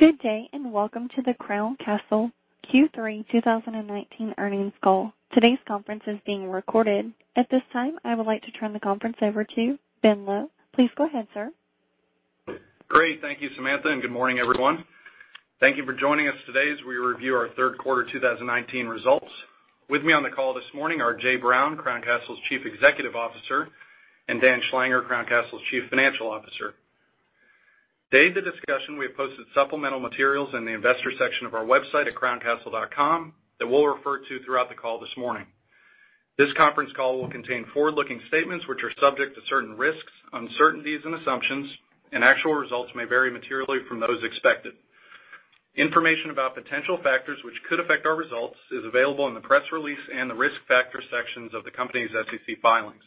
Good day, welcome to the Crown Castle Q3 2019 earnings call. Today's conference is being recorded. At this time, I would like to turn the conference over to Ben Lowe. Please go ahead, sir. Great. Thank you, Samantha, good morning, everyone. Thank you for joining us today as we review our third quarter 2019 results. With me on the call this morning are Jay Brown, Crown Castle's Chief Executive Officer, and Dan Schlanger, Crown Castle's Chief Financial Officer. We have posted supplemental materials in the investor section of our website at crowncastle.com that we'll refer to throughout the call this morning. This conference call will contain forward-looking statements which are subject to certain risks, uncertainties, and assumptions, and actual results may vary materially from those expected. Information about potential factors which could affect our results is available in the press release and the risk factor sections of the company's SEC filings.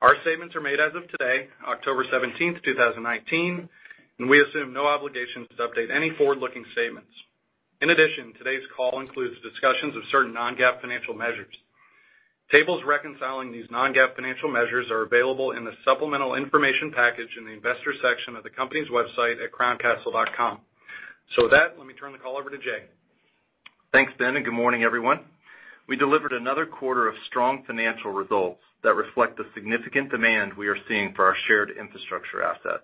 Our statements are made as of today, October 17th, 2019, and we assume no obligation to update any forward-looking statements. In addition, today's call includes discussions of certain non-GAAP financial measures. Tables reconciling these non-GAAP financial measures are available in the supplemental information package in the investor section of the company's website at crowncastle.com. With that, let me turn the call over to Jay. Thanks, Ben. Good morning, everyone. We delivered another quarter of strong financial results that reflect the significant demand we are seeing for our shared infrastructure assets.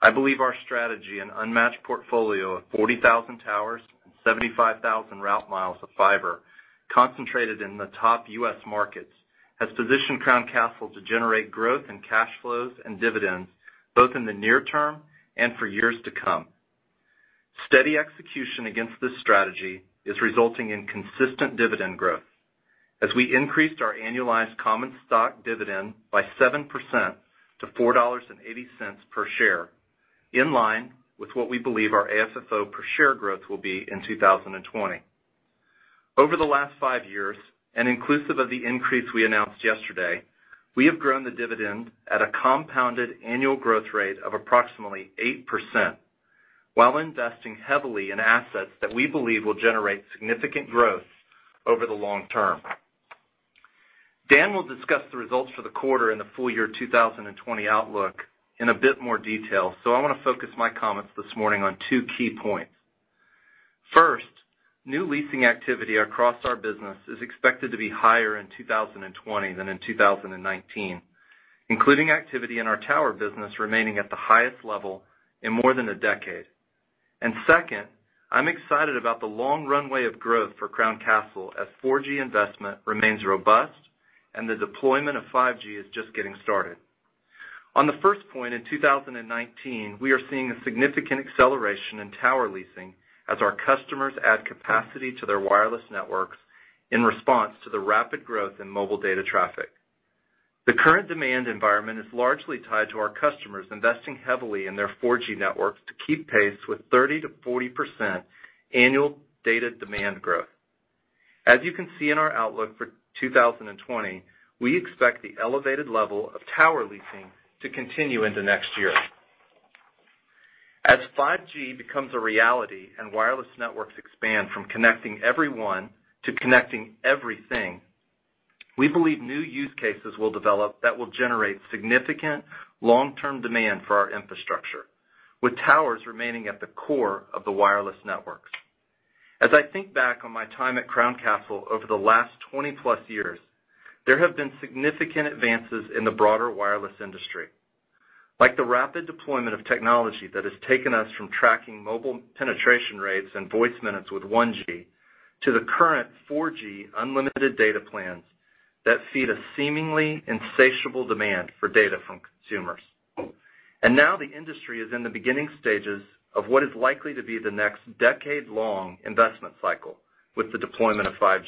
I believe our strategy and unmatched portfolio of 40,000 towers and 75,000 route miles of fiber concentrated in the top U.S. markets, has positioned Crown Castle to generate growth in cash flows and dividends both in the near term and for years to come. Steady execution against this strategy is resulting in consistent dividend growth as we increased our annualized common stock dividend by 7% to $4.80 per share, in line with what we believe our AFFO per share growth will be in 2020. Over the last five years, and inclusive of the increase we announced yesterday, we have grown the dividend at a compounded annual growth rate of approximately 8% while investing heavily in assets that we believe will generate significant growth over the long term. Dan will discuss the results for the quarter and the full year 2020 outlook in a bit more detail, so I want to focus my comments this morning on two key points. First, new leasing activity across our business is expected to be higher in 2020 than in 2019, including activity in our tower business remaining at the highest level in more than one decade. Second, I'm excited about the long runway of growth for Crown Castle as 4G investment remains robust and the deployment of 5G is just getting started. On the first point in 2019, we are seeing a significant acceleration in tower leasing as our customers add capacity to their wireless networks in response to the rapid growth in mobile data traffic. The current demand environment is largely tied to our customers investing heavily in their 4G networks to keep pace with 30%-40% annual data demand growth. As you can see in our outlook for 2020, we expect the elevated level of tower leasing to continue into next year. As 5G becomes a reality and wireless networks expand from connecting everyone to connecting everything, we believe new use cases will develop that will generate significant long-term demand for our infrastructure, with towers remaining at the core of the wireless networks. As I think back on my time at Crown Castle over the last 20-plus years, there have been significant advances in the broader wireless industry, like the rapid deployment of technology that has taken us from tracking mobile penetration rates and voice minutes with 1G to the current 4G unlimited data plans that feed a seemingly insatiable demand for data from consumers. Now the industry is in the beginning stages of what is likely to be the next decade-long investment cycle with the deployment of 5G,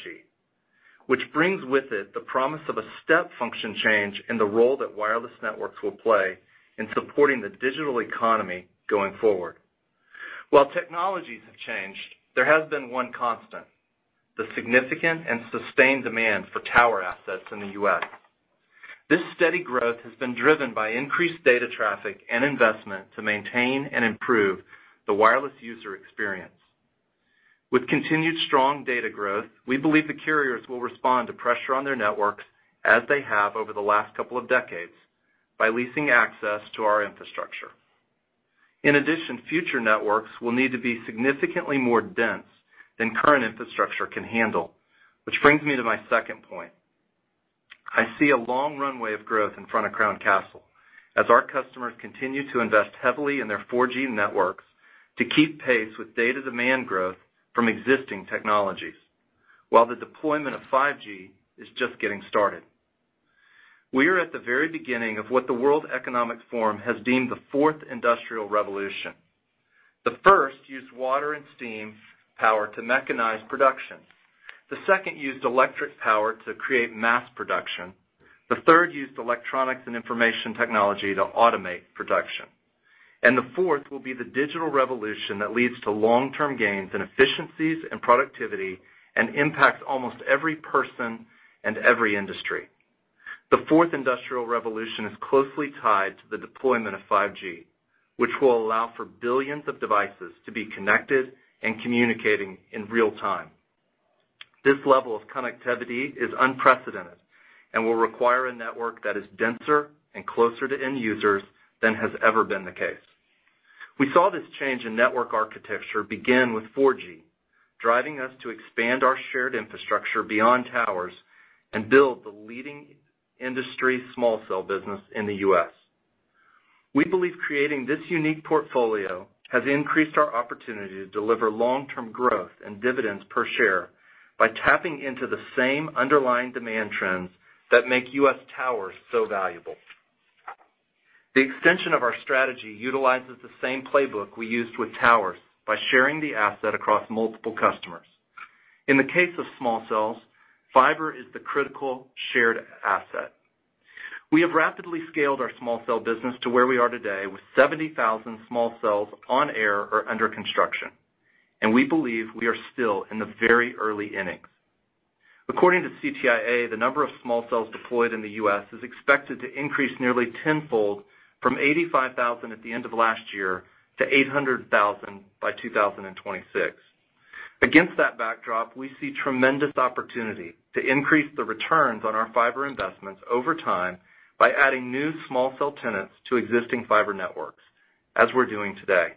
which brings with it the promise of a step function change in the role that wireless networks will play in supporting the digital economy going forward. While technologies have changed, there has been one constant, the significant and sustained demand for tower assets in the U.S. This steady growth has been driven by increased data traffic and investment to maintain and improve the wireless user experience. With continued strong data growth, we believe the carriers will respond to pressure on their networks as they have over the last couple of decades by leasing access to our infrastructure. Future networks will need to be significantly more dense than current infrastructure can handle, which brings me to my second point. I see a long runway of growth in front of Crown Castle as our customers continue to invest heavily in their 4G networks to keep pace with data demand growth from existing technologies while the deployment of 5G is just getting started. We are at the very beginning of what the World Economic Forum has deemed the fourth industrial revolution. The first used water and steam power to mechanize production. The second used electric power to create mass production. The third used electronics and information technology to automate production. The fourth will be the digital revolution that leads to long-term gains in efficiencies and productivity and impacts almost every person and every industry. The fourth industrial revolution is closely tied to the deployment of 5G, which will allow for billions of devices to be connected and communicating in real time. This level of connectivity is unprecedented and will require a network that is denser and closer to end users than has ever been the case. We saw this change in network architecture begin with 4G, driving us to expand our shared infrastructure beyond towers and build the leading industry small cell business in the U.S. We believe creating this unique portfolio has increased our opportunity to deliver long-term growth and dividends per share by tapping into the same underlying demand trends that make U.S. towers so valuable. The extension of our strategy utilizes the same playbook we used with towers by sharing the asset across multiple customers. In the case of small cells, fiber is the critical shared asset. We have rapidly scaled our small cell business to where we are today with 70,000 small cells on air or under construction, and we believe we are still in the very early innings. According to CTIA, the number of small cells deployed in the U.S. is expected to increase nearly tenfold from 85,000 at the end of last year to 800,000 by 2026. Against that backdrop, we see tremendous opportunity to increase the returns on our fiber investments over time by adding new small cell tenants to existing fiber networks, as we're doing today.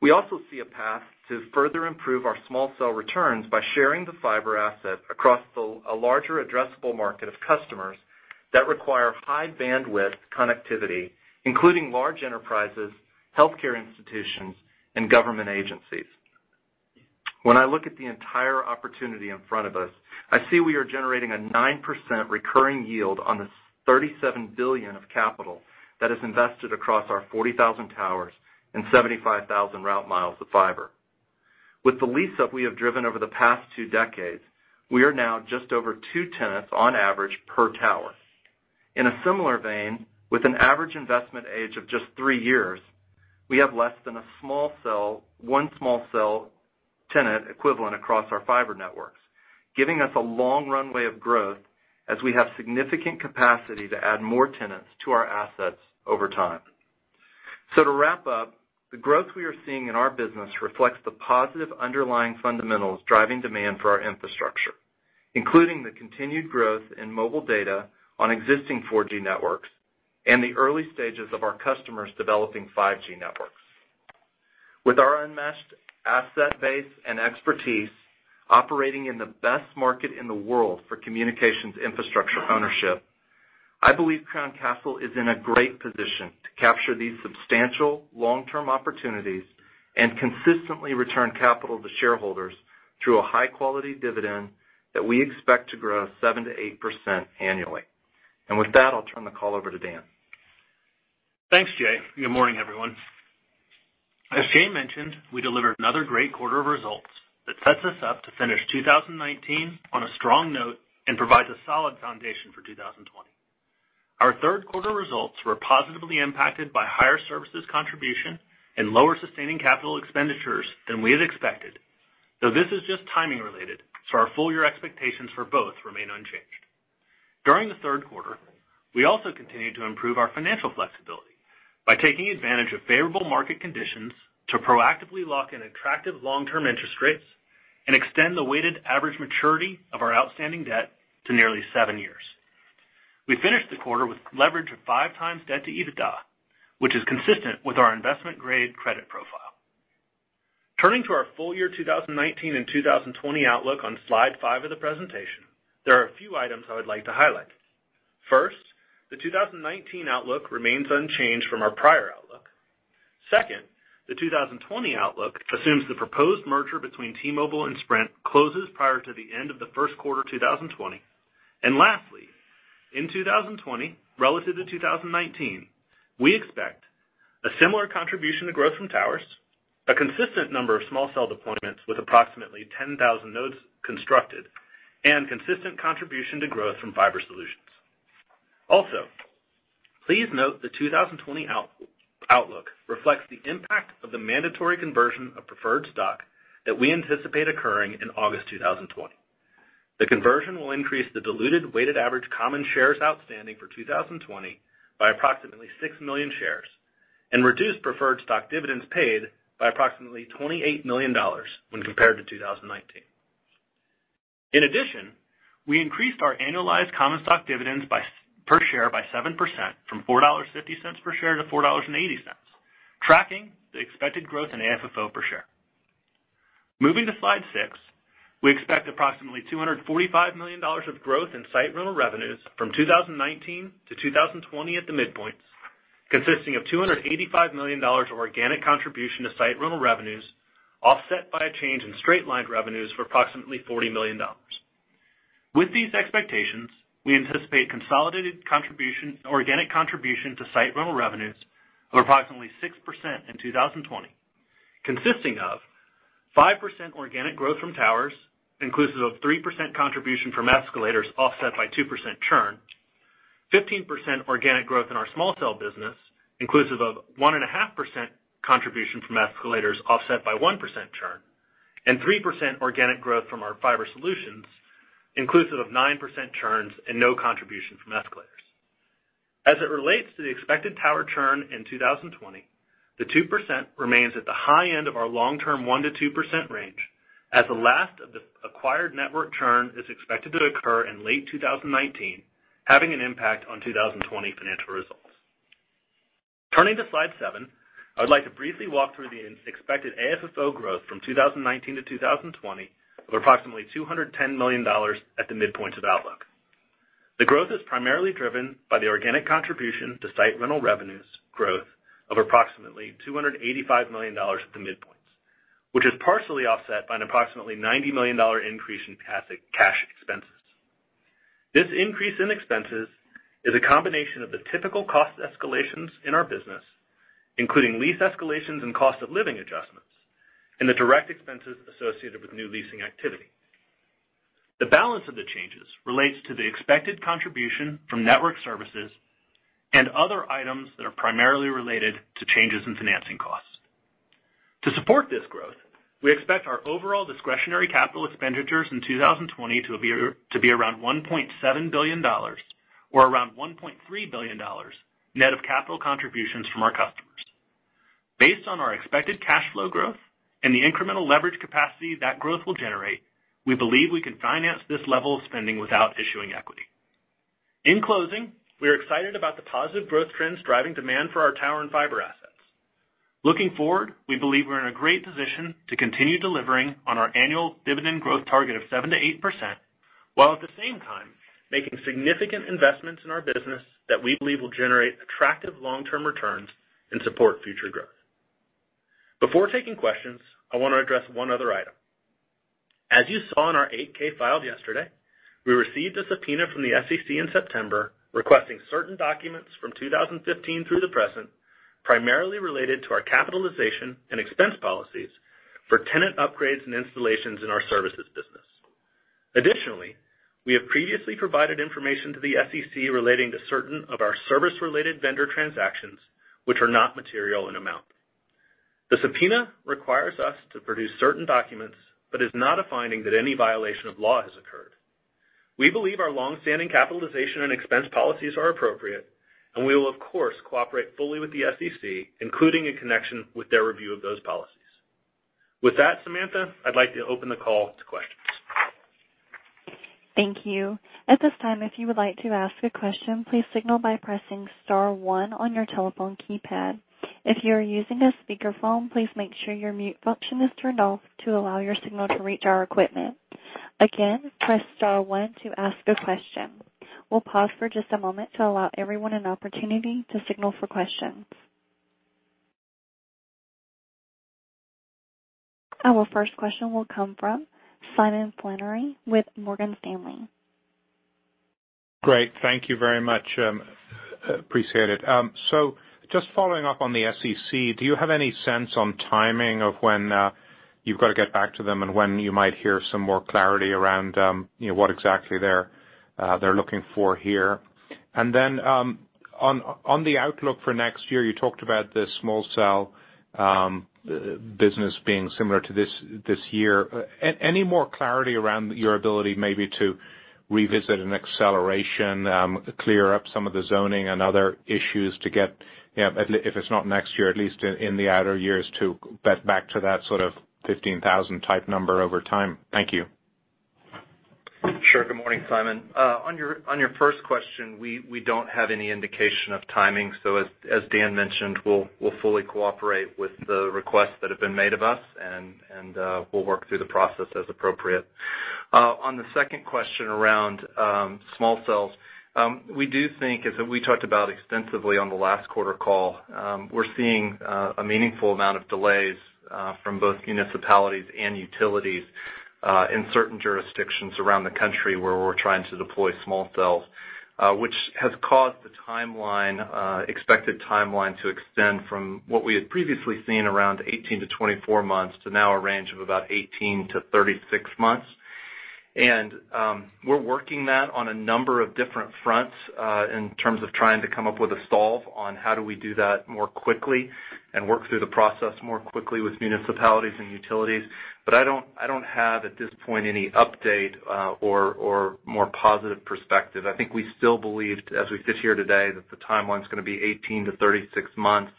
We also see a path to further improve our small cell returns by sharing the fiber asset across a larger addressable market of customers that require high bandwidth connectivity, including large enterprises, healthcare institutions, and government agencies. When I look at the entire opportunity in front of us, I see we are generating a 9% recurring yield on the $37 billion of capital that is invested across our 40,000 towers and 75,000 route miles of fiber. With the lease-up we have driven over the past two decades, we are now just over two tenants on average per tower. In a similar vein, with an average investment age of just three years, we have less than one small cell tenant equivalent across our fiber networks, giving us a long runway of growth as we have significant capacity to add more tenants to our assets over time. To wrap up, the growth we are seeing in our business reflects the positive underlying fundamentals driving demand for our infrastructure, including the continued growth in mobile data on existing 4G networks and the early stages of our customers developing 5G networks. With our enmeshed asset base and expertise operating in the best market in the world for communications infrastructure ownership, I believe Crown Castle is in a great position to capture these substantial long-term opportunities and consistently return capital to shareholders through a high-quality dividend that we expect to grow 7% to 8% annually. With that, I'll turn the call over to Dan. Thanks, Jay. Good morning, everyone. As Jay mentioned, we delivered another great quarter of results that sets us up to finish 2019 on a strong note and provides a solid foundation for 2020. Our third quarter results were positively impacted by higher services contribution and lower sustaining capital expenditures than we had expected, though this is just timing related, so our full-year expectations for both remain unchanged. During the third quarter, we also continued to improve our financial flexibility by taking advantage of favorable market conditions to proactively lock in attractive long-term interest rates and extend the weighted average maturity of our outstanding debt to nearly seven years. We finished the quarter with leverage of five times debt to EBITDA, which is consistent with our investment-grade credit profile. Turning to our full year 2019 and 2020 outlook on slide five of the presentation, there are a few items I would like to highlight. First, the 2019 outlook remains unchanged from our prior outlook. Second, the 2020 outlook assumes the proposed merger between T-Mobile and Sprint closes prior to the end of the first quarter 2020. Lastly, in 2020 relative to 2019, we expect a similar contribution to growth from towers, a consistent number of small cell deployments with approximately 10,000 nodes constructed, and consistent contribution to growth from fiber solutions. Please note the 2020 outlook reflects the impact of the mandatory conversion of preferred stock that we anticipate occurring in August 2020. The conversion will increase the diluted weighted average common shares outstanding for 2020 by approximately six million shares and reduce preferred stock dividends paid by approximately $28 million when compared to 2019. In addition, we increased our annualized common stock dividends per share by 7%, from $4.50 per share to $4.80, tracking the expected growth in AFFO per share. Moving to slide six, we expect approximately $245 million of growth in site rental revenues from 2019 to 2020 at the midpoints, consisting of $285 million of organic contribution to site rental revenues, offset by a change in straight-lined revenues for approximately $40 million. With these expectations, we anticipate organic contribution to site rental revenues of approximately 6% in 2020, consisting of 5% organic growth from towers, inclusive of 3% contribution from escalators offset by 2% churn, 15% organic growth in our small cell business, inclusive of 1.5% contribution from escalators offset by 1% churn, and 3% organic growth from our fiber solutions, inclusive of 9% churns and no contribution from escalators. As it relates to the expected tower churn in 2020, the 2% remains at the high end of our long-term 1%-2% range as the last of the acquired network churn is expected to occur in late 2019, having an impact on 2020 financial results. Turning to slide seven, I would like to briefly walk through the expected AFFO growth from 2019 to 2020 of approximately $210 million at the midpoint of outlook. The growth is primarily driven by the organic contribution to site rental revenues growth of approximately $285 million at the midpoints, which is partially offset by an approximately $90 million increase in cash expenses. This increase in expenses is a combination of the typical cost escalations in our business, including lease escalations and cost of living adjustments, and the direct expenses associated with new leasing activity. The balance of the changes relates to the expected contribution from network services and other items that are primarily related to changes in financing costs. To support this growth, we expect our overall discretionary capital expenditures in 2020 to be around $1.7 billion or around $1.3 billion net of capital contributions from our customers. Based on our expected cash flow growth and the incremental leverage capacity that growth will generate, we believe we can finance this level of spending without issuing equity. In closing, we are excited about the positive growth trends driving demand for our tower and fiber assets. Looking forward, we believe we're in a great position to continue delivering on our annual dividend growth target of 7%-8%, while at the same time making significant investments in our business that we believe will generate attractive long-term returns and support future growth. Before taking questions, I want to address one other item. As you saw in our 8-K filed yesterday, we received a subpoena from the SEC in September requesting certain documents from 2015 through the present, primarily related to our capitalization and expense policies for tenant upgrades and installations in our services business. We have previously provided information to the SEC relating to certain of our service-related vendor transactions, which are not material in amount. The subpoena requires us to produce certain documents but is not a finding that any violation of law has occurred. We believe our longstanding capitalization and expense policies are appropriate, and we will, of course, cooperate fully with the SEC, including in connection with their review of those policies. With that, Samantha, I'd like to open the call to questions. Thank you. At this time, if you would like to ask a question, please signal by pressing star one on your telephone keypad. If you're using a speakerphone, please make sure your mute function is turned off to allow your signal to reach our equipment. Again, press star one to ask a question. We'll pause for just a moment to allow everyone an opportunity to signal for questions. Our first question will come from Simon Flannery with Morgan Stanley. Great. Thank you very much. Appreciate it. Just following up on the SEC, do you have any sense on timing of when you've got to get back to them and when you might hear some more clarity around what exactly they're looking for here? On the outlook for next year, you talked about the small cell business being similar to this year. Any more clarity around your ability maybe to revisit an acceleration, clear up some of the zoning and other issues to get, if it's not next year, at least in the outer years to get back to that 15,000 type number over time? Thank you. Sure. Good morning, Simon. On your first question, we don't have any indication of timing. As Dan mentioned, we'll fully cooperate with the requests that have been made of us, and we'll work through the process as appropriate. On the second question around small cells, we do think, as we talked about extensively on the last quarter call, we're seeing a meaningful amount of delays from both municipalities and utilities in certain jurisdictions around the country where we're trying to deploy small cells, which has caused the expected timeline to extend from what we had previously seen around 18-24 months to now a range of about 18-36 months. We're working that on a number of different fronts in terms of trying to come up with a solve on how do we do that more quickly and work through the process more quickly with municipalities and utilities. I don't have, at this point, any update or more positive perspective. I think we still believe, as we sit here today, that the timeline's gonna be 18 to 36 months,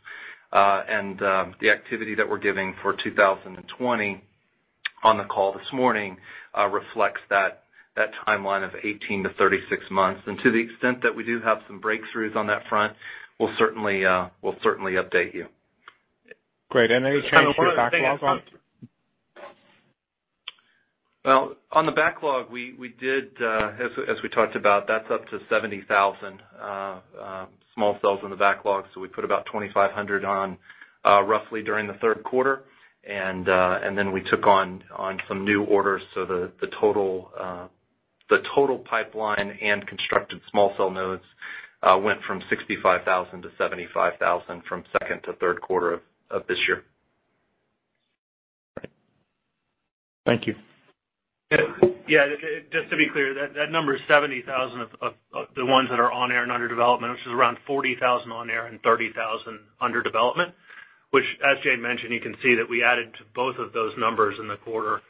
and the activity that we're giving for 2020 on the call this morning reflects that timeline of 18 to 36 months. To the extent that we do have some breakthroughs on that front, we'll certainly update you. Great. Any change on your backlog? Well, on the backlog, we did, as we talked about, that's up to 70,000 small cells in the backlog. We put about 2,500 on roughly during the third quarter, and then we took on some new orders, so the total pipeline and constructed small cell nodes went from 65,000 to 75,000 from second to third quarter of this year. Great. Thank you. Yeah. Just to be clear, that number is 70,000 of the ones that are on air and under development, which is around 40,000 on air and 30,000 under development. As Jay mentioned, you can see that we added to both of those numbers in the quarter.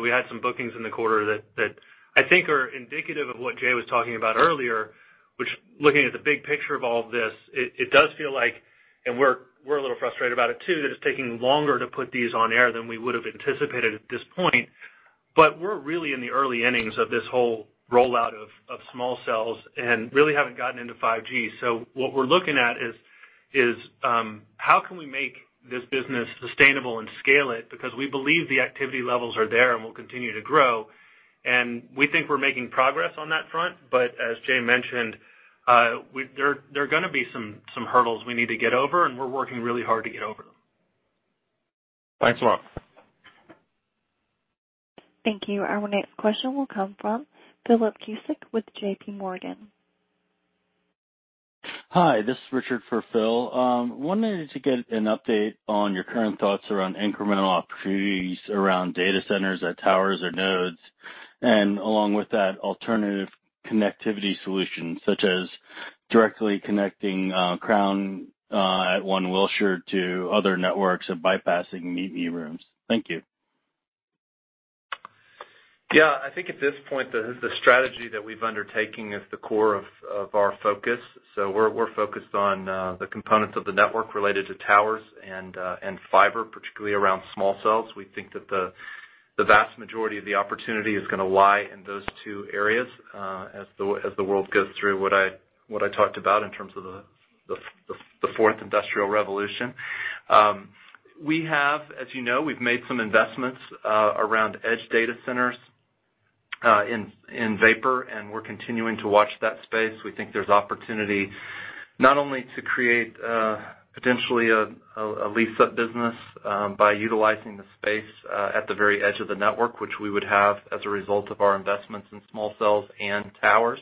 We had some bookings in the quarter that I think are indicative of what Jay was talking about earlier, which, looking at the big picture of all of this, it does feel like, and we're a little frustrated about it too, that it's taking longer to put these on air than we would've anticipated at this point. We're really in the early innings of this whole rollout of small cells and really haven't gotten into 5G. What we're looking at is, how can we make this business sustainable and scale it? We believe the activity levels are there and will continue to grow. We think we're making progress on that front. As Jay mentioned, there are gonna be some hurdles we need to get over, and we're working really hard to get over them. Thanks a lot. Thank you. Our next question will come from Philip Cusick with J.P. Morgan. Hi, this is Richard for Phil. Wanted to get an update on your current thoughts around incremental opportunities around data centers at towers or nodes, and along with that, alternative connectivity solutions, such as directly connecting Crown Castle at One Wilshire to other networks and bypassing Meet-Me Rooms. Thank you. Yeah. I think at this point, the strategy that we've undertaken is the core of our focus. We're focused on the components of the network related to towers and fiber, particularly around small cells. We think that the vast majority of the opportunity is gonna lie in those two areas, as the world goes through what I talked about in terms of the Fourth Industrial Revolution. We have, as you know, we've made some investments around edge data centers in Vapor, and we're continuing to watch that space. We think there's opportunity not only to create potentially a lease-up business by utilizing the space at the very edge of the network, which we would have as a result of our investments in small cells and towers,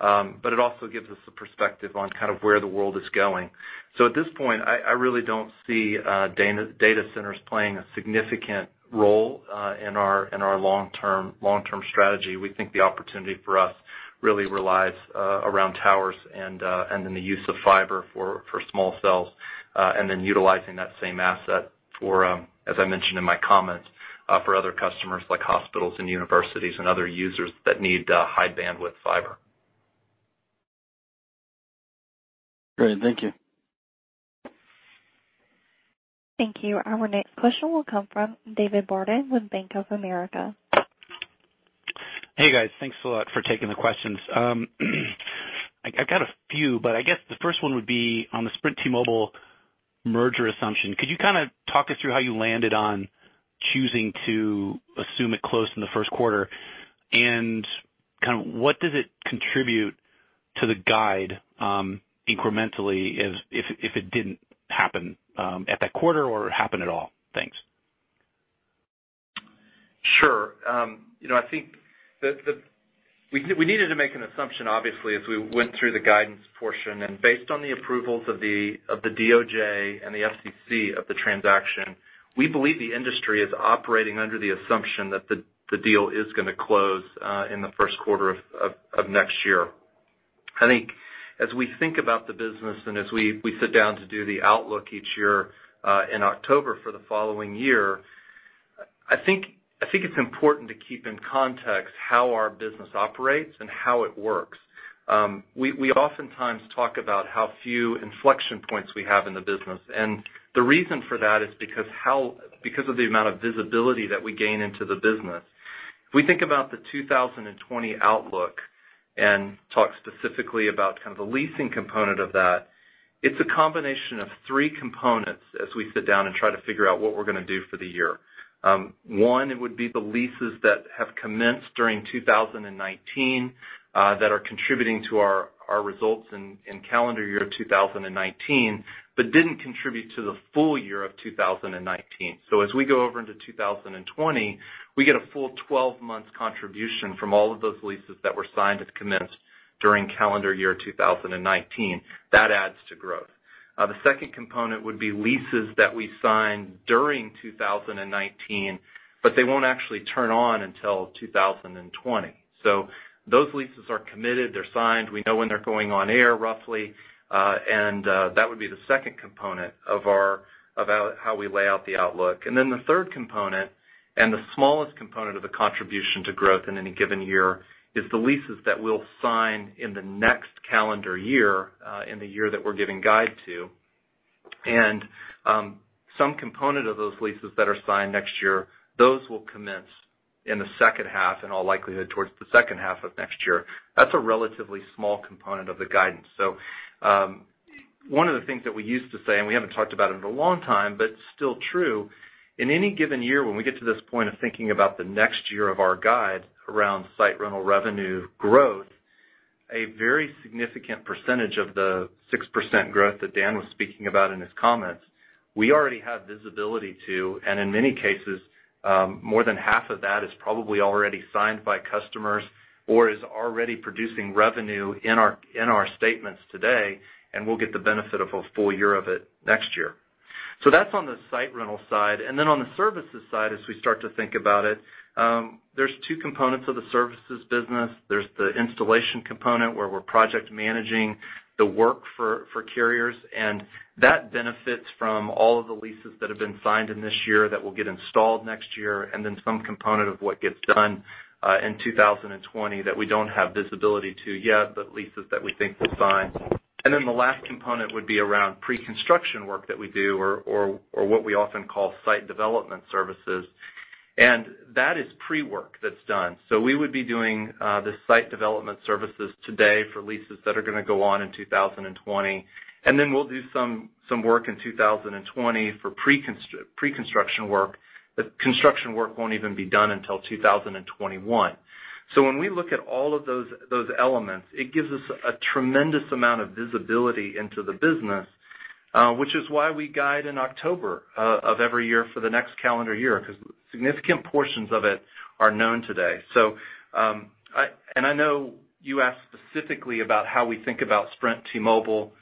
but it also gives us a perspective on kind of where the world is going. At this point, I really don't see data centers playing a significant role in our long-term strategy. We think the opportunity for us really relies around towers and in the use of fiber for small cells. Utilizing that same asset for, as I mentioned in my comments, for other customers like hospitals and universities and other users that need high bandwidth fiber. Great. Thank you. Thank you. Our next question will come from David Barden with Bank of America. Hey, guys. Thanks a lot for taking the questions. I've got a few, but I guess the first one would be on the Sprint T-Mobile merger assumption. Could you kind of talk us through how you landed on choosing to assume it closed in the first quarter? Kind of what does it contribute to the guide, incrementally, if it didn't happen at that quarter or happen at all? Thanks. Sure. I think that we needed to make an assumption, obviously, as we went through the guidance portion. Based on the approvals of the DOJ and the FCC of the transaction, we believe the industry is operating under the assumption that the deal is gonna close in the first quarter of next year. I think as we think about the business and as we sit down to do the outlook each year, in October for the following year, I think it's important to keep in context how our business operates and how it works. We oftentimes talk about how few inflection points we have in the business, the reason for that is because of the amount of visibility that we gain into the business. If we think about the 2020 outlook and talk specifically about kind of the leasing component of that, it's a combination of three components as we sit down and try to figure out what we're gonna do for the year. One, it would be the leases that have commenced during 2019, that are contributing to our results in calendar year 2019, but didn't contribute to the full year of 2019. As we go over into 2020, we get a full 12 months contribution from all of those leases that were signed and commenced during calendar year 2019. That adds to growth. The second component would be leases that we signed during 2019, but they won't actually turn on until 2020. Those leases are committed. They're signed. We know when they're going on air, roughly. That would be the second component of how we lay out the outlook. The third component, and the smallest component of the contribution to growth in any given year, is the leases that we'll sign in the next calendar year, in the year that we're giving guide to. Some component of those leases that are signed next year, those will commence in the second half, in all likelihood, towards the second half of next year. That's a relatively small component of the guidance. One of the things that we used to say, and we haven't talked about it in a long time, but it's still true. In any given year, when we get to this point of thinking about the next year of our guide around site rental revenue growth, a very significant percentage of the 6% growth that Dan was speaking about in his comments, we already have visibility to, and in many cases, more than half of that is probably already signed by customers or is already producing revenue in our statements today, and we'll get the benefit of a full year of it next year. That's on the site rental side. On the services side, as we start to think about it, there's two components of the services business. There's the installation component, where we're project managing the work for carriers, and that benefits from all of the leases that have been signed in this year that will get installed next year, and then some component of what gets done in 2020 that we don't have visibility to yet, but leases that we think we'll sign. The last component would be around pre-construction work that we do or what we often call site development services. That is pre-work that's done. We would be doing the site development services today for leases that are going to go on in 2020. We'll do some work in 2020 for pre-construction work. The construction work won't even be done until 2021. When we look at all of those elements, it gives us a tremendous amount of visibility into the business, which is why we guide in October of every year for the next calendar year, because significant portions of it are known today. I know you asked specifically about how we think about Sprint T-Mobile.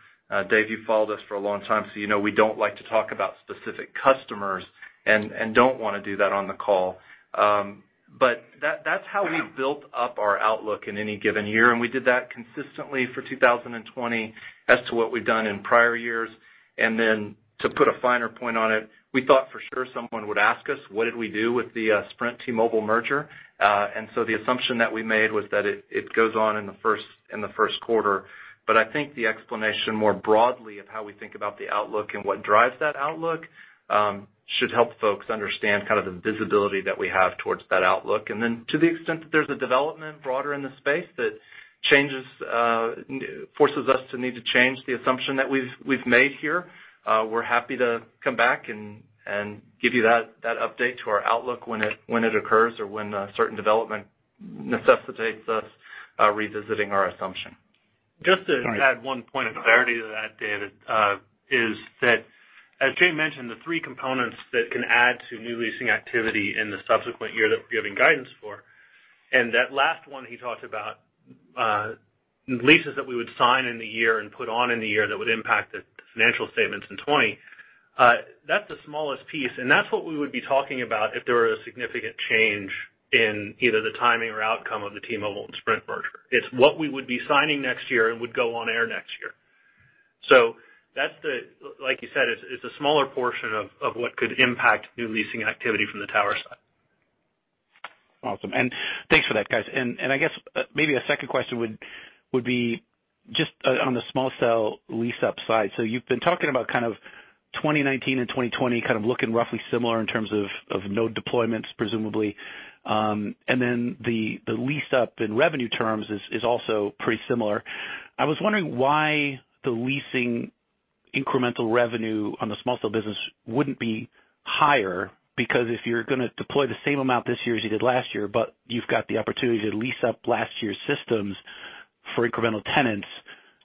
Dave, you've followed us for a long time, so you know we don't like to talk about specific customers and don't want to do that on the call. That's how we've built up our outlook in any given year, and we did that consistently for 2020 as to what we've done in prior years. Then to put a finer point on it, we thought for sure someone would ask us what did we do with the Sprint T-Mobile merger. The assumption that we made was that it goes on in the first quarter. I think the explanation more broadly of how we think about the outlook and what drives that outlook should help folks understand the visibility that we have towards that outlook. To the extent that there's a development broader in the space that forces us to need to change the assumption that we've made here, we're happy to come back and give you that update to our outlook when it occurs or when a certain development necessitates us revisiting our assumption. Just to add one point of clarity to that, David, is that as Jay mentioned, the three components that can add to new leasing activity in the subsequent year that we're giving guidance for, and that last one he talked about, leases that we would sign in the year and put on in the year that would impact the financial statements in 2020, that's the smallest piece, and that's what we would be talking about if there were a significant change in either the timing or outcome of the T-Mobile and Sprint merger. It's what we would be signing next year and would go on air next year. Like you said, it's a smaller portion of what could impact new leasing activity from the tower side. Awesome. Thanks for that, guys. I guess maybe a second question would be just on the small cell lease-up side. You've been talking about 2019 and 2020 kind of looking roughly similar in terms of node deployments, presumably. The lease-up in revenue terms is also pretty similar. I was wondering why the leasing incremental revenue on the small cell business wouldn't be higher, because if you're going to deploy the same amount this year as you did last year, but you've got the opportunity to lease up last year's systems for incremental tenants,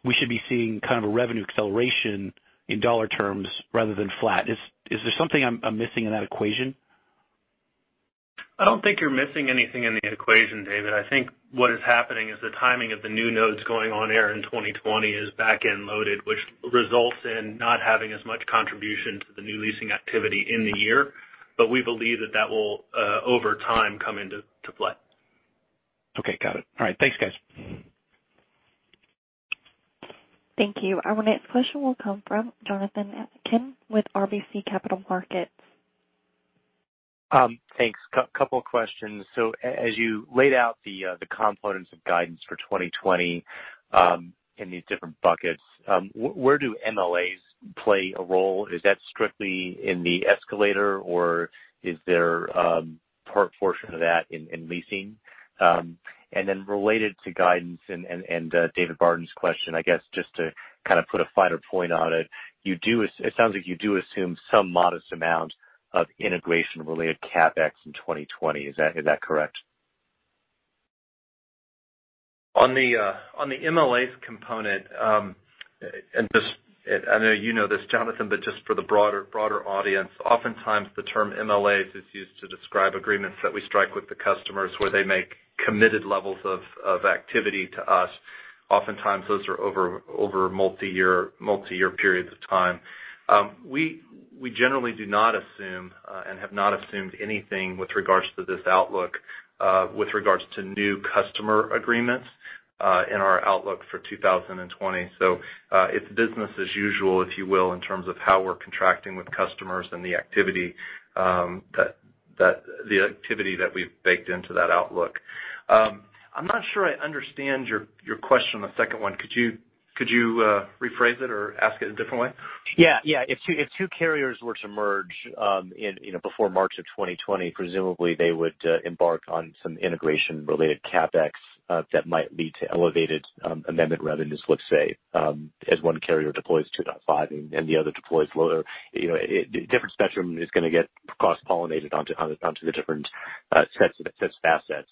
we should be seeing kind of a revenue acceleration in dollar terms rather than flat. Is there something I'm missing in that equation? I don't think you're missing anything in the equation, David. I think what is happening is the timing of the new nodes going on air in 2020 is back-end loaded, which results in not having as much contribution to the new leasing activity in the year. We believe that that will, over time, come into play. Okay. Got it. All right. Thanks, guys. Thank you. Our next question will come from Jonathan Atkin with RBC Capital Markets. Thanks. Couple of questions. As you laid out the components of guidance for 2020 in these different buckets, where do MLAs play a role? Is that strictly in the escalator, or is there a portion of that in leasing? Related to guidance and David Barden's question, I guess, just to kind of put a finer point on it sounds like you do assume some modest amount of integration-related CapEx in 2020. Is that correct? On the MLAs component, and I know you know this, Jonathan, but just for the broader audience, oftentimes the term MLAs is used to describe agreements that we strike with the customers where they make committed levels of activity to us. Oftentimes, those are over multi-year periods of time. We generally do not assume and have not assumed anything with regards to this outlook with regards to new customer agreements in our outlook for 2020. It's business as usual, if you will, in terms of how we're contracting with customers and the activity that we've baked into that outlook. I'm not sure I understand your question on the second one. Could you rephrase it or ask it a different way? Yeah. If two carriers were to merge before March of 2020, presumably they would embark on some integration-related CapEx that might lead to elevated amendment revenues, let's say, as one carrier deploys 2.5 and the other deploys lower. Different spectrum is going to get cross-pollinated onto the different sets of assets.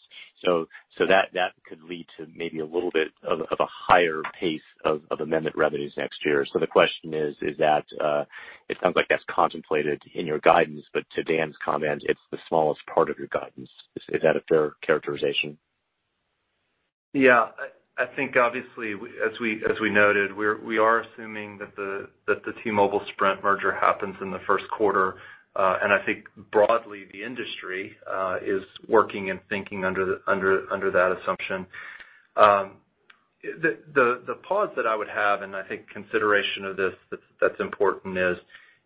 That could lead to maybe a little bit of a higher pace of amendment revenues next year. The question is, it sounds like that's contemplated in your guidance, but to Dan's comment, it's the smallest part of your guidance. Is that a fair characterization? Yeah. I think obviously, as we noted, we are assuming that the T-Mobile-Sprint merger happens in the first quarter. I think broadly, the industry is working and thinking under that assumption. The pause that I would have, and I think consideration of this that's important is,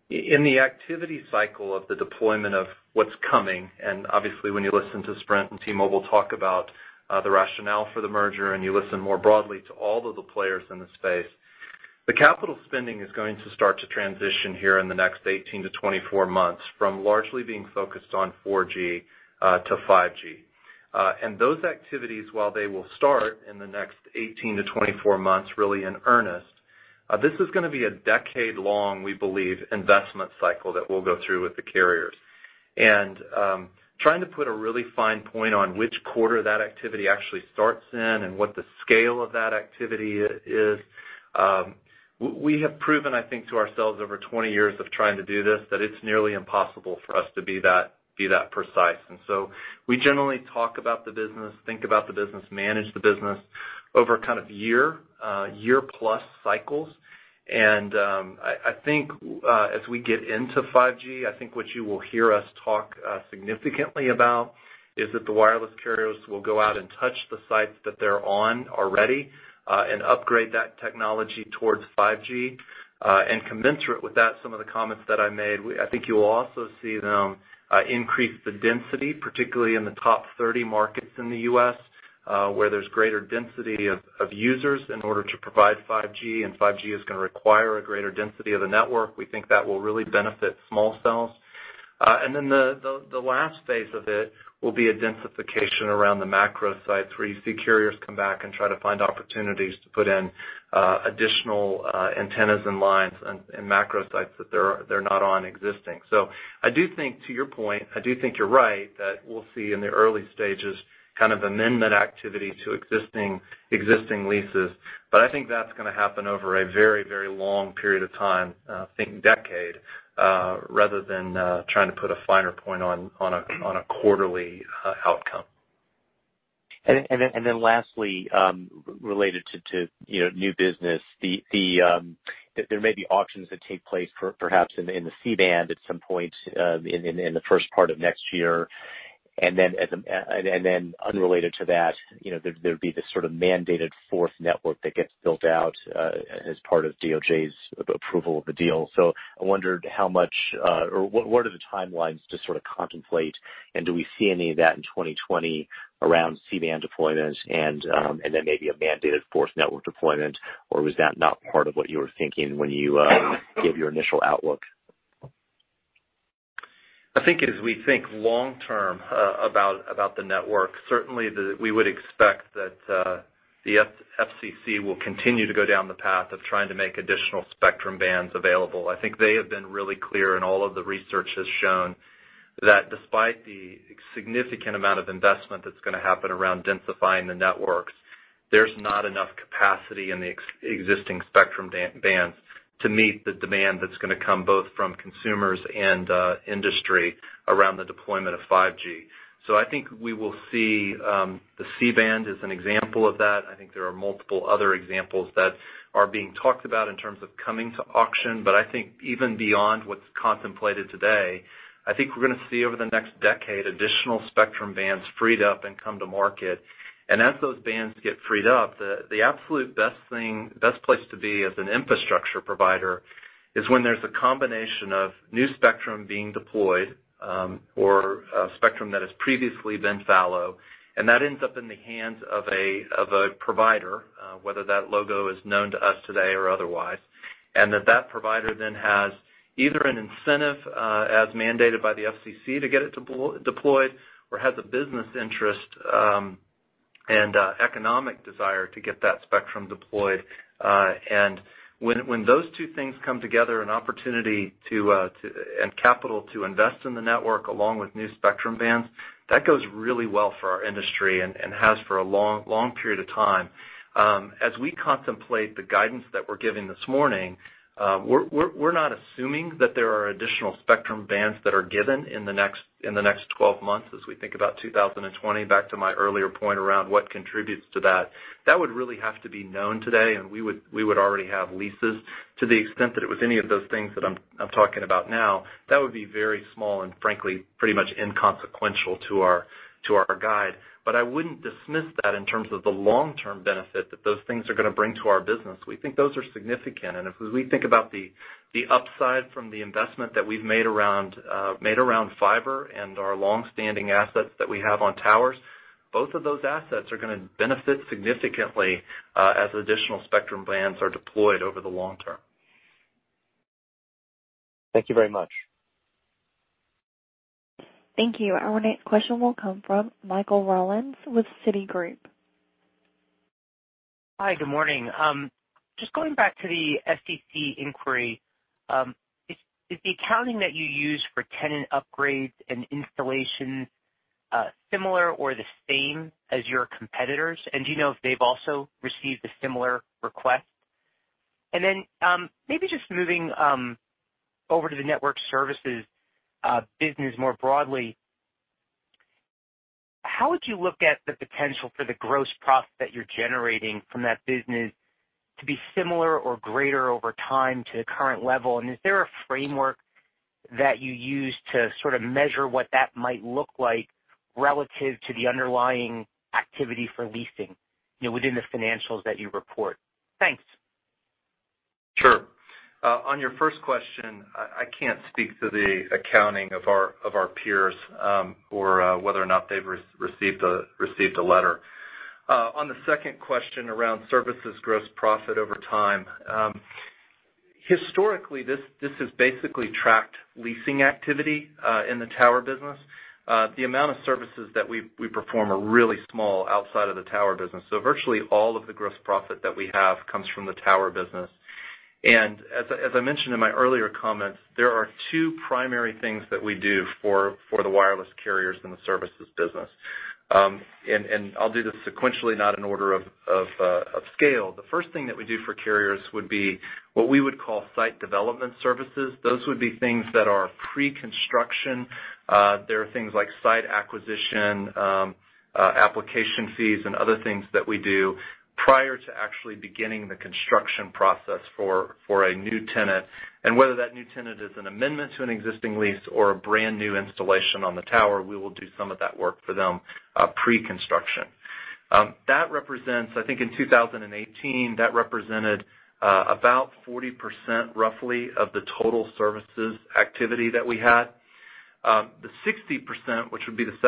in the activity cycle of the deployment of what's coming, and obviously, when you listen to Sprint and T-Mobile talk about the rationale for the merger, and you listen more broadly to all of the players in the space, the capital spending is going to start to transition here in the next 18 months-24 months from largely being focused on 4G to 5G. Those activities, while they will start in the next 18 months-24 months, really in earnest, this is gonna be a decade-long, we believe, investment cycle that we'll go through with the carriers. Trying to put a really fine point on which quarter that activity actually starts in and what the scale of that activity is, we have proven, I think, to ourselves over 20 years of trying to do this, that it's nearly impossible for us to be that precise. So we generally talk about the business, think about the business, manage the business over kind of year plus cycles. I think, as we get into 5G, I think what you will hear us talk significantly about is that the wireless carriers will go out and touch the sites that they're on already, and upgrade that technology towards 5G. Commensurate with that, some of the comments that I made, I think you will also see them increase the density, particularly in the top 30 markets in the U.S. where there's greater density of users in order to provide 5G, and 5G is gonna require a greater density of the network. We think that will really benefit small cells. The last phase of it will be a densification around the macro sites where you see carriers come back and try to find opportunities to put in additional antennas and lines and macro sites that they're not on existing. I do think, to your point, I do think you're right, that we'll see in the early stages kind of amendment activity to existing leases. I think that's going to happen over a very, very long period of time, think decade, rather than trying to put a finer point on a quarterly outcome. Lastly, related to new business, there may be auctions that take place perhaps in the C-band at some point in the first part of next year, then unrelated to that, there'd be this sort of mandated fourth network that gets built out as part of DOJ's approval of the deal. I wondered, what are the timelines to sort of contemplate, and do we see any of that in 2020 around C-band deployment and then maybe a mandated fourth network deployment, or was that not part of what you were thinking when you gave your initial outlook? I think as we think long-term about the network, certainly we would expect that the FCC will continue to go down the path of trying to make additional spectrum bands available. I think they have been really clear and all of the research has shown that despite the significant amount of investment that's gonna happen around densifying the networks, there's not enough capacity in the existing spectrum bands to meet the demand that's gonna come both from consumers and industry around the deployment of 5G. I think we will see the C-band as an example of that. I think there are multiple other examples that are being talked about in terms of coming to auction. I think even beyond what's contemplated today, I think we're gonna see over the next decade, additional spectrum bands freed up and come to market. As those bands get freed up, the absolute best place to be as an infrastructure provider is when there's a combination of new spectrum being deployed, or spectrum that has previously been fallow, and that ends up in the hands of a provider, whether that logo is known to us today or otherwise, and that provider then has either an incentive, as mandated by the FCC to get it deployed or has a business interest and economic desire to get that spectrum deployed. When those two things come together and capital to invest in the network along with new spectrum bands, that goes really well for our industry and has for a long period of time. As we contemplate the guidance that we're giving this morning, we're not assuming that there are additional spectrum bands that are given in the next 12 months as we think about 2020, back to my earlier point around what contributes to that. That would really have to be known today, and we would already have leases to the extent that it was any of those things that I'm talking about now, that would be very small and frankly, pretty much inconsequential to our guide. I wouldn't dismiss that in terms of the long-term benefit that those things are gonna bring to our business. We think those are significant. As we think about the upside from the investment that we've made around fiber and our longstanding assets that we have on towers, both of those assets are gonna benefit significantly as additional spectrum bands are deployed over the long term. Thank you very much. Thank you. Our next question will come from Michael Rollins with Citigroup. Hi, good morning. Just going back to the FCC inquiry. Is the accounting that you use for tenant upgrades and installation similar or the same as your competitors? Do you know if they've also received a similar request? Maybe just moving over to the network services business more broadly, how would you look at the potential for the gross profit that you're generating from that business to be similar or greater over time to the current level? Is there a framework that you use to measure what that might look like relative to the underlying activity for leasing within the financials that you report? Thanks. Sure. On your first question, I can't speak to the accounting of our peers, or whether or not they've received a letter. On the second question around services gross profit over time. Historically, this has basically tracked leasing activity in the tower business. The amount of services that we perform are really small outside of the tower business. Virtually all of the gross profit that we have comes from the tower business. As I mentioned in my earlier comments, there are two primary things that we do for the wireless carriers in the services business. I'll do this sequentially, not in order of scale. The first thing that we do for carriers would be what we would call site development services. Those would be things that are pre-construction. They're things like site acquisition, application fees, and other things that we do prior to actually beginning the construction process for a new tenant. Whether that new tenant is an amendment to an existing lease or a brand-new installation on the tower, we will do some of that work for them pre-construction. I think in 2018, that represented about 40% roughly of the total services activity that we had. The 60%, which would be the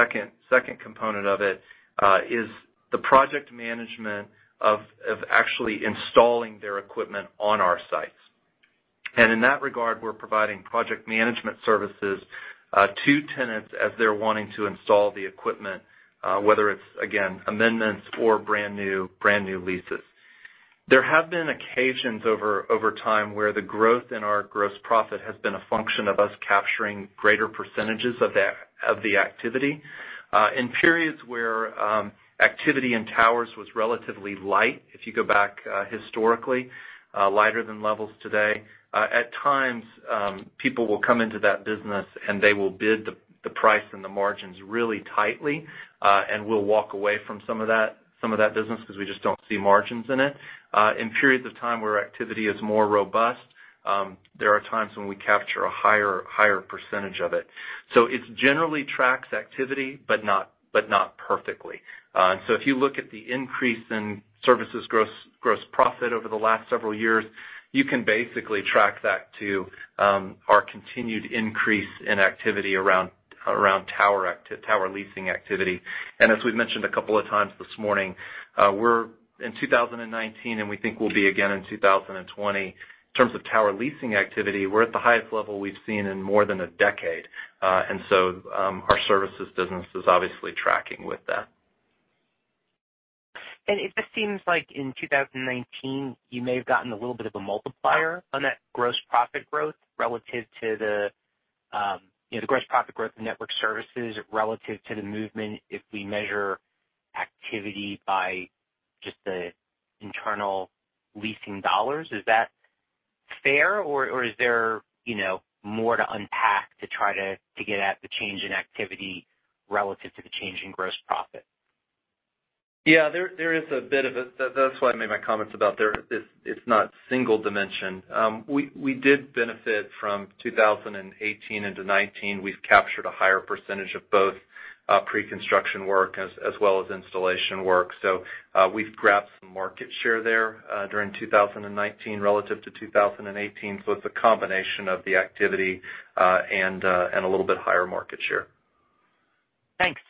second component of it, is the project management of actually installing their equipment on our sites. In that regard, we're providing project management services to tenants as they're wanting to install the equipment, whether it's, again, amendments or brand-new leases. There have been occasions over time where the growth in our gross profit has been a function of us capturing greater percentages of the activity. In periods where activity in towers was relatively light, if you go back historically, lighter than levels today, at times, people will come into that business, and they will bid the price and the margins really tightly, and we'll walk away from some of that business because we just don't see margins in it. In periods of time where activity is more robust, there are times when we capture a higher percentage of it. It generally tracks activity, but not perfectly. If you look at the increase in services gross profit over the last several years, you can basically track that to our continued increase in activity around tower leasing activity. As we've mentioned a couple of times this morning, we're in 2019, and we think we'll be again in 2020. In terms of tower leasing activity, we're at the highest level we've seen in more than a decade. Our services business is obviously tracking with that. It just seems like in 2019, you may have gotten a little bit of a multiplier on that gross profit growth network services relative to the movement if we measure activity by just the internal leasing dollars. Is that fair, or is there more to unpack to try to get at the change in activity relative to the change in gross profit? There is a bit of it. That's why I made my comments about it's not single dimension. We did benefit from 2018 into 2019. We've captured a higher percentage of both pre-construction work as well as installation work. We've grabbed some market share there during 2019 relative to 2018. It's a combination of the activity and a little bit higher market share. Thanks.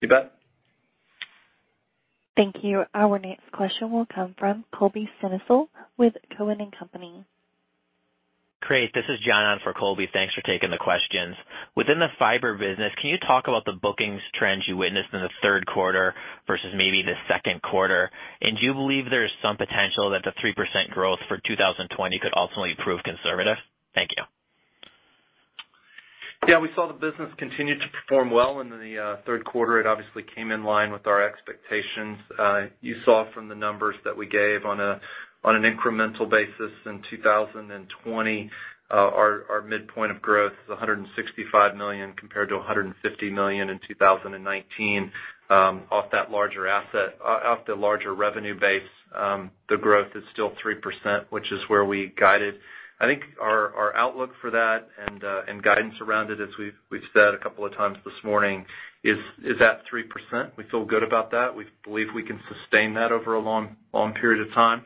You bet. Thank you. Our next question will come from Colby Synesael with Cowen and Company. Great. This is John on for Colby. Thanks for taking the questions. Within the fiber business, can you talk about the bookings trends you witnessed in the third quarter versus maybe the second quarter? Do you believe there's some potential that the 3% growth for 2020 could ultimately prove conservative? Thank you. Yeah, we saw the business continue to perform well in the third quarter. It obviously came in line with our expectations. You saw from the numbers that we gave on an incremental basis in 2020, our midpoint of growth is $165 million compared to $150 million in 2019. Off the larger revenue base, the growth is still 3%, which is where we guided. I think our outlook for that and guidance around it, as we've said a couple of times this morning, is at 3%. We feel good about that. We believe we can sustain that over a long period of time.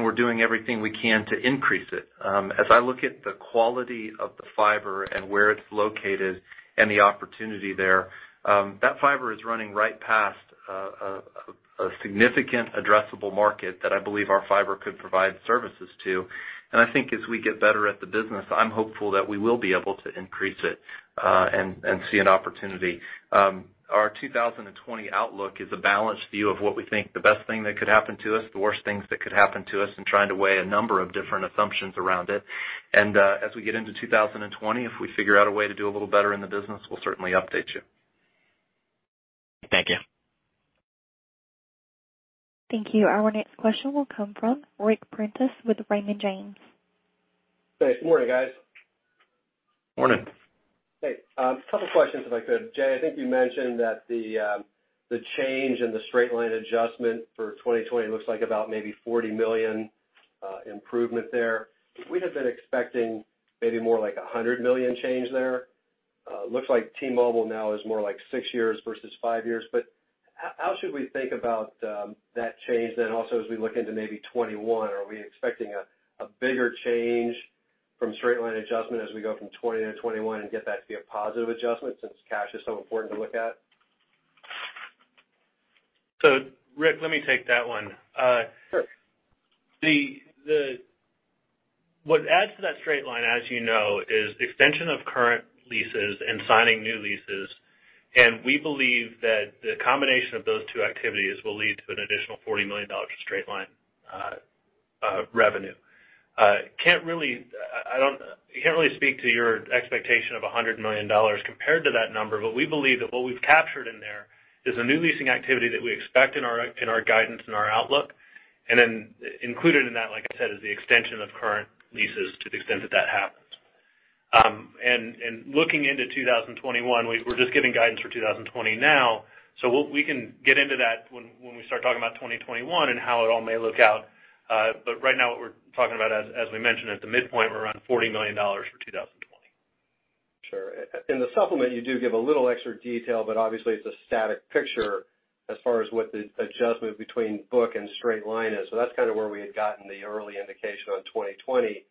We're doing everything we can to increase it. As I look at the quality of the fiber and where it's located and the opportunity there, that fiber is running right past a significant addressable market that I believe our fiber could provide services to. I think as we get better at the business, I'm hopeful that we will be able to increase it and see an opportunity. Our 2020 outlook is a balanced view of what we think the best thing that could happen to us, the worst things that could happen to us, and trying to weigh a number of different assumptions around it. As we get into 2020, if we figure out a way to do a little better in the business, we'll certainly update you. Thank you. Thank you. Our next question will come from Ric Prentiss with Raymond James. Hey, good morning, guys. Morning. Hey. A couple questions if I could. Jay, I think you mentioned that the change in the straight-line adjustment for 2020 looks like about maybe $40 million improvement there. We had been expecting maybe more like $100 million change there. Looks like T-Mobile now is more like 6 years versus 5 years. How should we think about that change then also as we look into maybe 2021? Are we expecting a bigger change from straight-line adjustment as we go from 2020 to 2021 and get that to be a positive adjustment since cash is so important to look at? Ric, let me take that one. Sure. What adds to that straight line, as you know, is extension of current leases and signing new leases. We believe that the combination of those two activities will lead to an additional $40 million of straight line revenue. I can't really speak to your expectation of $100 million compared to that number. We believe that what we've captured in there is a new leasing activity that we expect in our guidance and our outlook. Included in that, like I said, is the extension of current leases to the extent that that happens. Looking into 2021, we're just giving guidance for 2020 now. We can get into that when we start talking about 2021 and how it all may look out. Right now, what we're talking about, as we mentioned at the midpoint, we're around $40 million for 2020. Sure. In the supplement, you do give a little extra detail. Obviously it's a static picture as far as what the adjustment between book and straight line is. That's kind of where we had gotten the early indication on 2020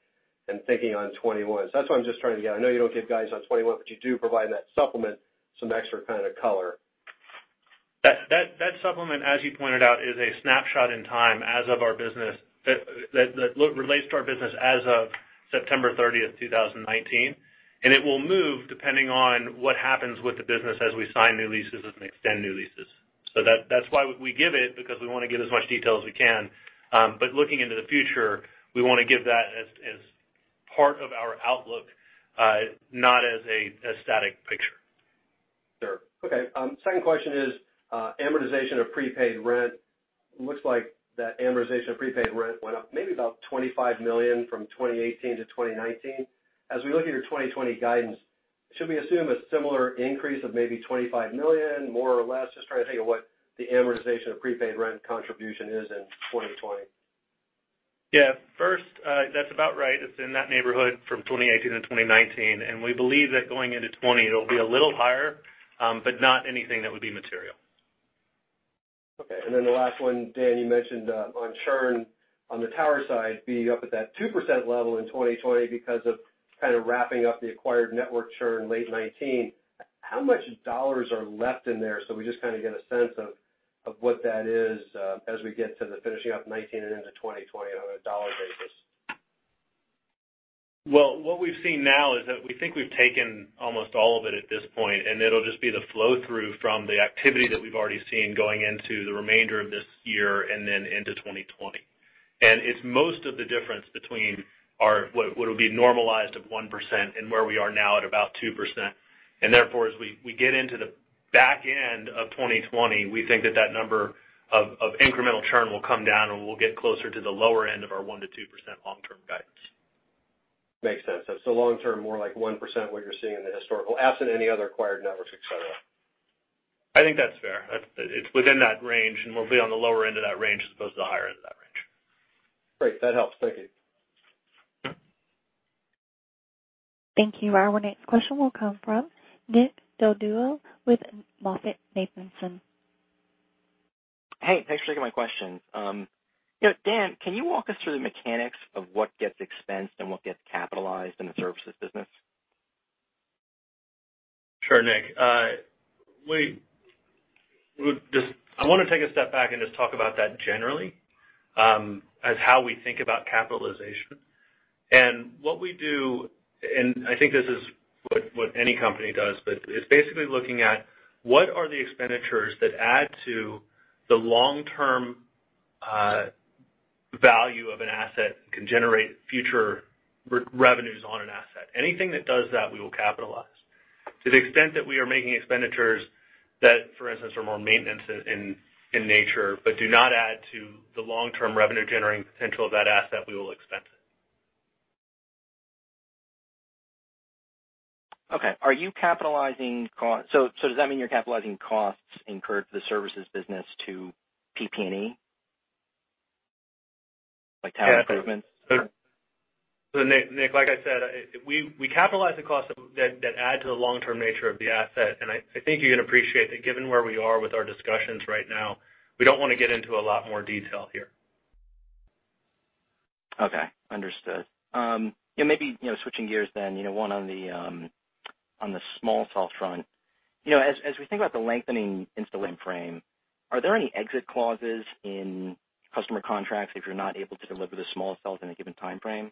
and thinking on 2021. That's why I'm just trying to get. I know you don't give guidance on 2021, but you do provide that supplement, some extra kind of color. That supplement, as you pointed out, is a snapshot in time that relates to our business as of September 30th, 2019, and it will move depending on what happens with the business as we sign new leases and extend new leases. That's why we give it, because we want to give as much detail as we can. Looking into the future, we want to give that as part of our outlook, not as a static picture. Sure. Okay. Second question is amortization of prepaid rent. Looks like that amortization of prepaid rent went up maybe about $25 million from 2018 to 2019. As we look at your 2020 guidance, should we assume a similar increase of maybe $25 million, more or less? Just trying to think of what the amortization of prepaid rent contribution is in 2020. Yeah. First, that's about right. It's in that neighborhood from 2018 to 2019. We believe that going into 2020, it'll be a little higher, but not anything that would be material. Okay. The last one, Dan, you mentioned on churn on the tower side being up at that 2% level in 2020 because of kind of wrapping up the acquired network churn late 2019. How much dollars are left in there so we just kind of get a sense of what that is as we get to the finishing up 2019 and into 2020 on a dollar basis? Well, what we've seen now is that we think we've taken almost all of it at this point, and it'll just be the flow-through from the activity that we've already seen going into the remainder of this year and then into 2020. It's most of the difference between what would be normalized of 1% and where we are now at about 2%. Therefore, as we get into the back end of 2020, we think that that number of incremental churn will come down, and we'll get closer to the lower end of our 1%-2% long-term guidance. Makes sense. Long term, more like 1% what you're seeing in the historical, absent any other acquired networks, et cetera. I think that's fair. It's within that range and we'll be on the lower end of that range as opposed to the higher end of that range. Great. That helps. Thank you. Thank you. Our next question will come from Nick Del Deo with MoffettNathanson. Hey, thanks for taking my questions. Dan, can you walk us through the mechanics of what gets expensed and what gets capitalized in the services business? Sure, Nick. I want to take a step back and just talk about that generally, as how we think about capitalization. What we do, and I think this is what any company does, but it's basically looking at what are the expenditures that add to the long-term value of an asset, can generate future revenues on an asset. Anything that does that, we will capitalize. To the extent that we are making expenditures that, for instance, are more maintenance in nature, but do not add to the long-term revenue-generating potential of that asset, we will expense it. Okay. Does that mean you're capitalizing costs incurred for the services business to PP&E? Like tower improvements? Nick, like I said, we capitalize the costs that add to the long-term nature of the asset, and I think you can appreciate that given where we are with our discussions right now, we don't want to get into a lot more detail here. Okay. Understood. Maybe switching gears, one on the small cell front. As we think about the lengthening install timeframe, are there any exit clauses in customer contracts if you're not able to deliver the small cells in a given timeframe?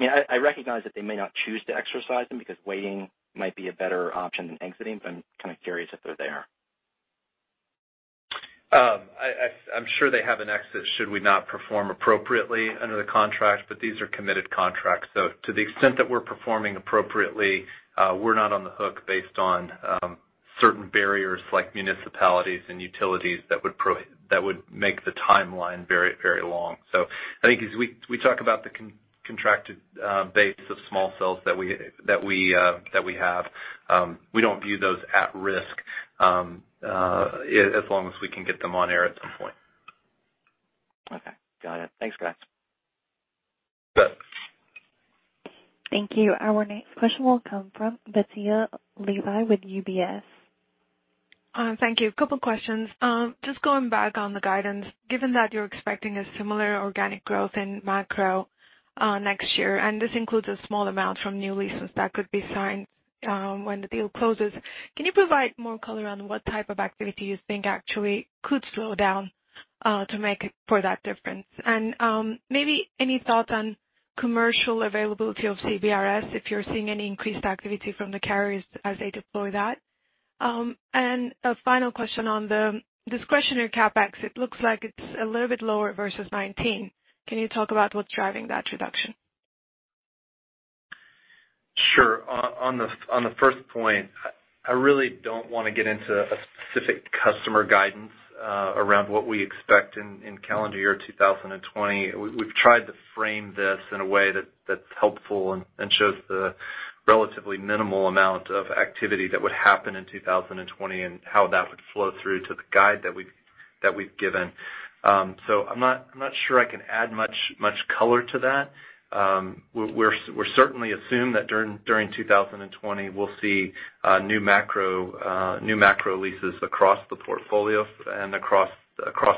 I recognize that they may not choose to exercise them because waiting might be a better option than exiting, but I'm kind of curious if they're there. I'm sure they have an exit should we not perform appropriately under the contract. These are committed contracts. To the extent that we're performing appropriately, we're not on the hook based on certain barriers like municipalities and utilities that would make the timeline very long. I think as we talk about the contracted base of small cells that we have, we don't view those at risk, as long as we can get them on air at some point. Okay. Got it. Thanks, guys. Yep. Thank you. Our next question will come from Batya Levi with UBS. Thank you. A couple questions. Just going back on the guidance, given that you're expecting a similar organic growth in macro next year, and this includes a small amount from new leases that could be signed when the deal closes, can you provide more color on what type of activity you think actually could slow down to make for that difference? Maybe any thoughts on commercial availability of CBRS, if you're seeing any increased activity from the carriers as they deploy that? A final question on the discretionary CapEx. It looks like it's a little bit lower versus 2019. Can you talk about what's driving that reduction? Sure. On the first point, I really don't want to get into a specific customer guidance around what we expect in calendar year 2020. We've tried to frame this in a way that's helpful and shows the relatively minimal amount of activity that would happen in 2020, and how that would flow through to the guide that we've given. I'm not sure I can add much color to that. We certainly assume that during 2020, we'll see new macro leases across the portfolio and across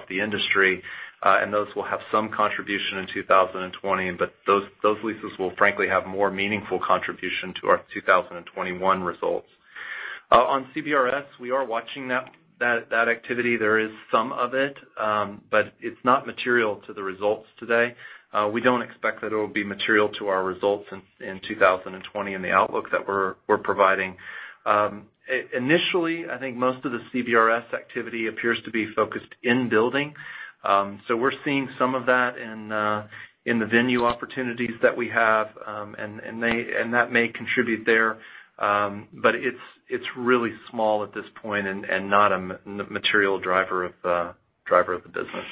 the industry. Those will have some contribution in 2020, but those leases will frankly have more meaningful contribution to our 2021 results. On CBRS, we are watching that activity. There is some of it, but it's not material to the results today. We don't expect that it will be material to our results in 2020 and the outlook that we're providing. Initially, I think most of the CBRS activity appears to be focused in building. We're seeing some of that in the venue opportunities that we have, and that may contribute there. It's really small at this point and not a material driver of the business.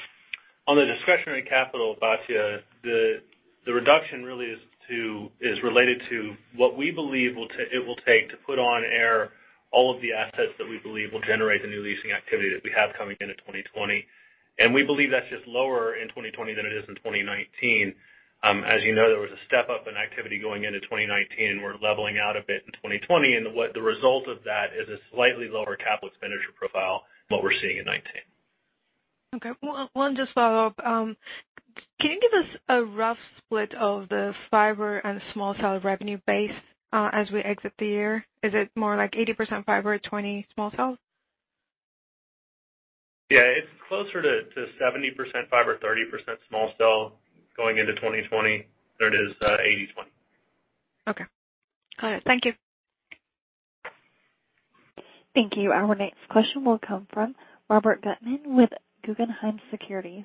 On the discretionary capital, Batya, the reduction really is related to what we believe it will take to put on air all of the assets that we believe will generate the new leasing activity that we have coming into 2020. We believe that's just lower in 2020 than it is in 2019. As you know, there was a step-up in activity going into 2019, and we're leveling out a bit in 2020, and the result of that is a slightly lower capital expenditure profile than what we're seeing in 2019. Okay. One just follow-up. Can you give us a rough split of the fiber and small cell revenue base as we exit the year? Is it more like 80% fiber, 20% small cell? Yeah. It's closer to 70% fiber, 30% small cell going into 2020 than it is 80/20. Okay. Got it. Thank you. Thank you. Our next question will come from Robert Gutman with Guggenheim Securities.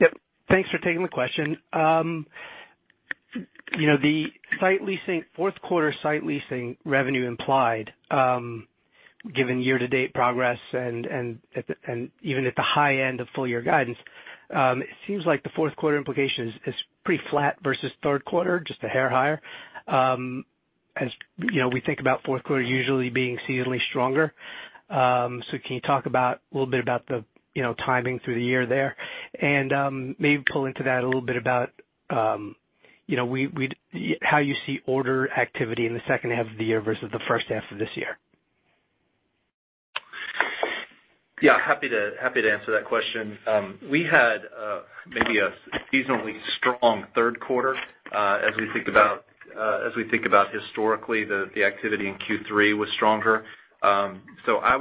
Yep. Thanks for taking the question. The fourth quarter site leasing revenue implied, given year-to-date progress and even at the high end of full-year guidance, it seems like the fourth quarter implication is pretty flat versus third quarter, just a hair higher. Can you talk a little bit about the timing through the year there? Maybe pull into that a little bit about how you see order activity in the second half of the year versus the first half of this year. Yeah, happy to answer that question. We had maybe a seasonally strong third quarter. As we think about historically, the activity in Q3 was stronger. I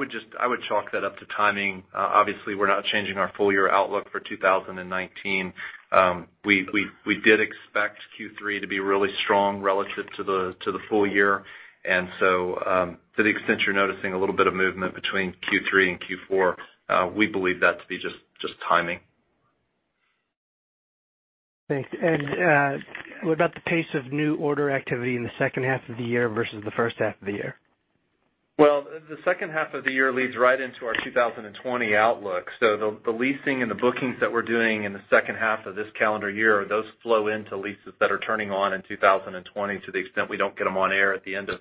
would chalk that up to timing. Obviously, we're not changing our full-year outlook for 2019. We did expect Q3 to be really strong relative to the full year. To the extent you're noticing a little bit of movement between Q3 and Q4, we believe that to be just timing. Thanks. What about the pace of new order activity in the second half of the year versus the first half of the year? Well, the second half of the year leads right into our 2020 outlook. The leasing and the bookings that we're doing in the second half of this calendar year, those flow into leases that are turning on in 2020 to the extent we don't get them on air at the end of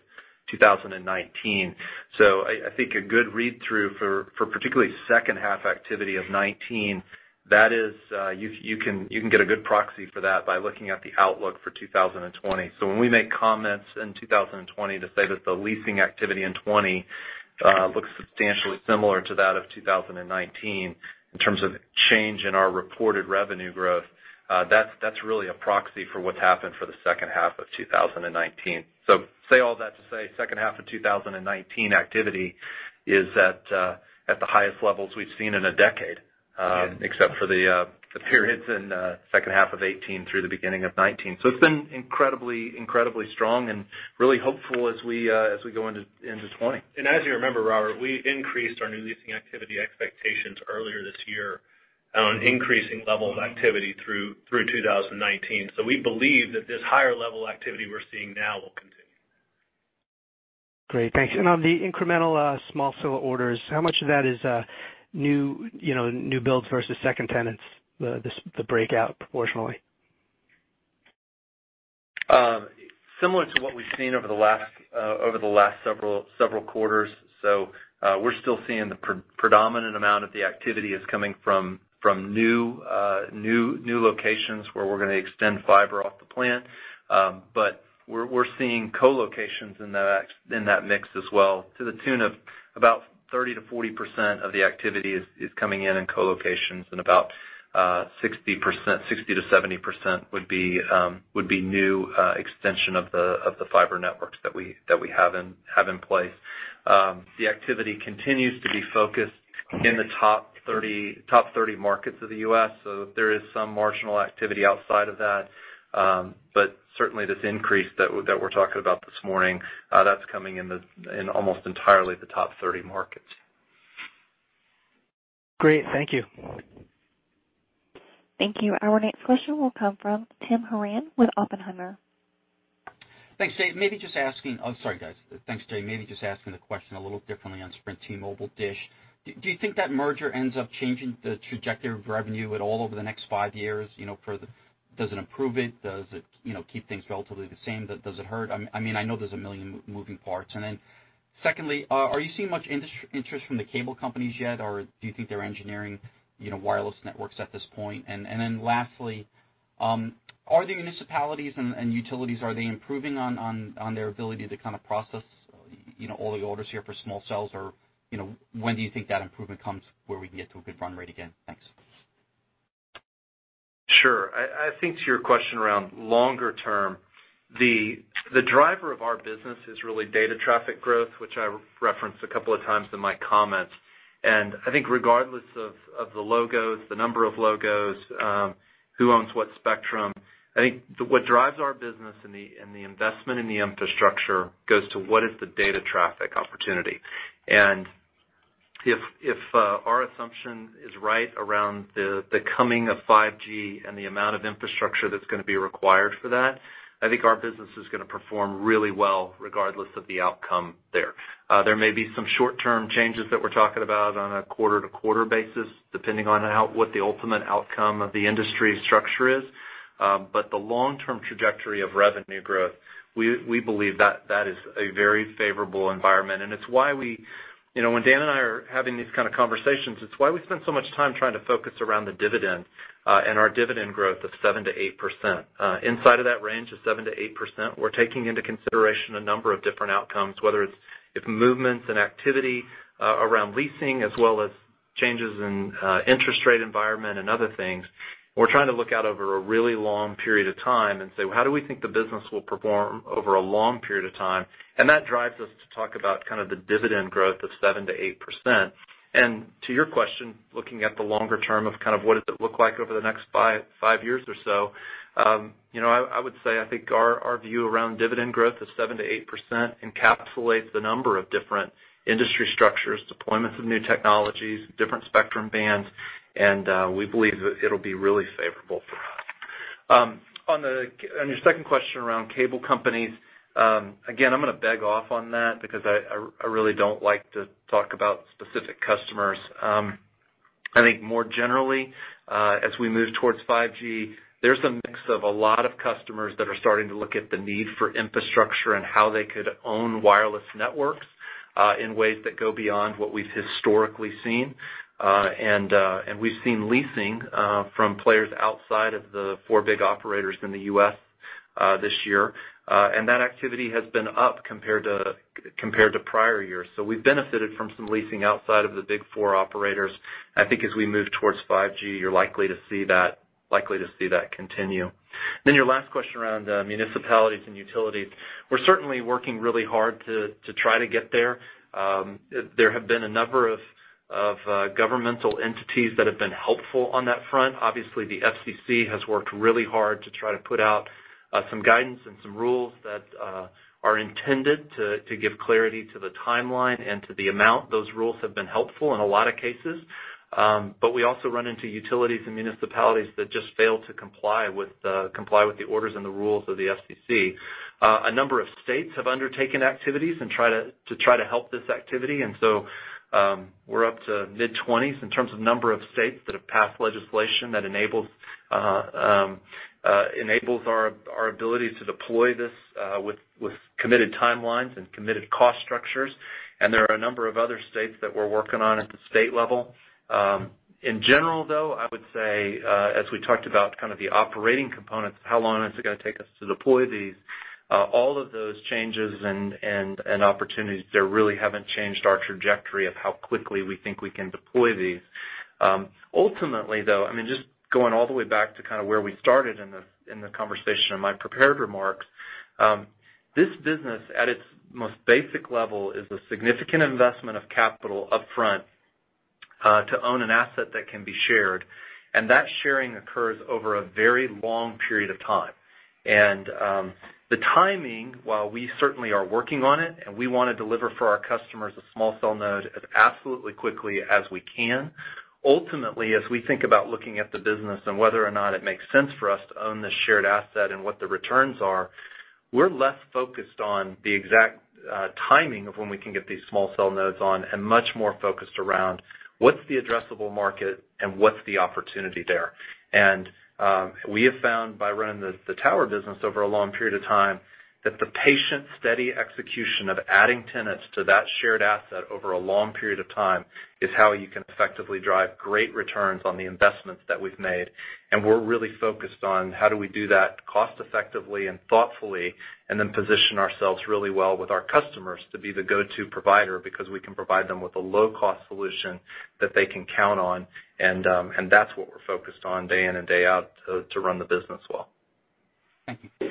2019. I think a good read-through for particularly second half activity of 2019, you can get a good proxy for that by looking at the outlook for 2020. When we make comments in 2020 to say that the leasing activity in 2020 looks substantially similar to that of 2019 in terms of change in our reported revenue growth, that's really a proxy for what's happened for the second half of 2019. Say all that to say, second half of 2019 activity is at the highest levels we've seen in a decade, except for the periods in the second half of 2018 through the beginning of 2019. It's been incredibly strong and really hopeful as we go into 2020. As you remember, Robert, we increased our new leasing activity expectations earlier this year on increasing levels of activity through 2019. We believe that this higher level activity we're seeing now will continue. Great. Thanks. On the incremental small cell orders, how much of that is new builds versus second tenants, the breakout proportionally? Similar to what we've seen over the last several quarters. We're still seeing the predominant amount of the activity is coming from new locations where we're going to extend fiber off the plant. We're seeing co-locations in that mix as well, to the tune of about 30%-40% of the activity is coming in in co-locations and about 60%-70% would be new extension of the fiber networks that we have in place. The activity continues to be focused in the top 30 markets of the U.S. There is some marginal activity outside of that. Certainly this increase that we're talking about this morning, that's coming in almost entirely the top 30 markets. Great. Thank you. Thank you. Our next question will come from Tim Horan with Oppenheimer. Thanks, Jay. Maybe just asking the question a little differently on Sprint, T-Mobile, Dish. Do you think that merger ends up changing the trajectory of revenue at all over the next five years? Does it improve it? Does it keep things relatively the same? Does it hurt? I know there's 1 million moving parts. Secondly, are you seeing much interest from the cable companies yet, or do you think they're engineering wireless networks at this point? Lastly, are the municipalities and utilities, are they improving on their ability to process all the orders here for small cells, or when do you think that improvement comes where we can get to a good run rate again? Thanks. Sure. I think to your question around longer term, the driver of our business is really data traffic growth, which I referenced a couple of times in my comments. I think regardless of the logos, the number of logos, who owns what spectrum, I think what drives our business and the investment in the infrastructure goes to what is the data traffic opportunity. If our assumption is right around the coming of 5G and the amount of infrastructure that's going to be required for that, I think our business is going to perform really well regardless of the outcome there. There may be some short-term changes that we're talking about on a quarter-to-quarter basis, depending on what the ultimate outcome of the industry structure is. The long-term trajectory of revenue growth, we believe that is a very favorable environment. When Dan and I are having these kind of conversations, it's why we spend so much time trying to focus around the dividend and our dividend growth of 7%-8%. Inside of that range of 7%-8%, we're taking into consideration a number of different outcomes, whether it's movements and activity around leasing as well as changes in interest rate environment and other things. We're trying to look out over a really long period of time and say, "Well, how do we think the business will perform over a long period of time?" That drives us to talk about the dividend growth of 7%-8%. To your question, looking at the longer term of what does it look like over the next five years or so, I would say, I think our view around dividend growth of 7%-8% encapsulates the number of different industry structures, deployments of new technologies, different spectrum bands, and we believe that it'll be really favorable for us. On your second question around cable companies, again, I'm going to beg off on that because I really don't like to talk about specific customers. I think more generally, as we move towards 5G, there's a mix of a lot of customers that are starting to look at the need for infrastructure and how they could own wireless networks, in ways that go beyond what we've historically seen. We've seen leasing from players outside of the four big operators in the U.S. this year. That activity has been up compared to prior years. We've benefited from some leasing outside of the big four operators. I think as we move towards 5G, you're likely to see that continue. Your last question around municipalities and utilities. We're certainly working really hard to try to get there. There have been a number of governmental entities that have been helpful on that front. Obviously, the FCC has worked really hard to try to put out some guidance and some rules that are intended to give clarity to the timeline and to the amount. Those rules have been helpful in a lot of cases. We also run into utilities and municipalities that just fail to comply with the orders and the rules of the FCC. A number of states have undertaken activities to try to help this activity, we're up to mid-20s in terms of number of states that have passed legislation that enables our ability to deploy this with committed timelines and committed cost structures. There are a number of other states that we're working on at the state level. In general, though, I would say, as we talked about the operating components, how long is it going to take us to deploy these? All of those changes and opportunities there really haven't changed our trajectory of how quickly we think we can deploy these. Ultimately, though, just going all the way back to where we started in the conversation in my prepared remarks, this business at its most basic level is a significant investment of capital upfront to own an asset that can be shared, and that sharing occurs over a very long period of time. The timing, while we certainly are working on it, and we want to deliver for our customers a small cell node as absolutely quickly as we can. Ultimately, as we think about looking at the business and whether or not it makes sense for us to own this shared asset and what the returns are, we're less focused on the exact timing of when we can get these small cell nodes on, and much more focused around what's the addressable market and what's the opportunity there. We have found by running the tower business over a long period of time, that the patient steady execution of adding tenants to that shared asset over a long period of time is how you can effectively drive great returns on the investments that we've made. We're really focused on how do we do that cost effectively and thoughtfully, then position ourselves really well with our customers to be the go-to provider because we can provide them with a low-cost solution that they can count on. That's what we're focused on day in and day out to run the business well. Thank you.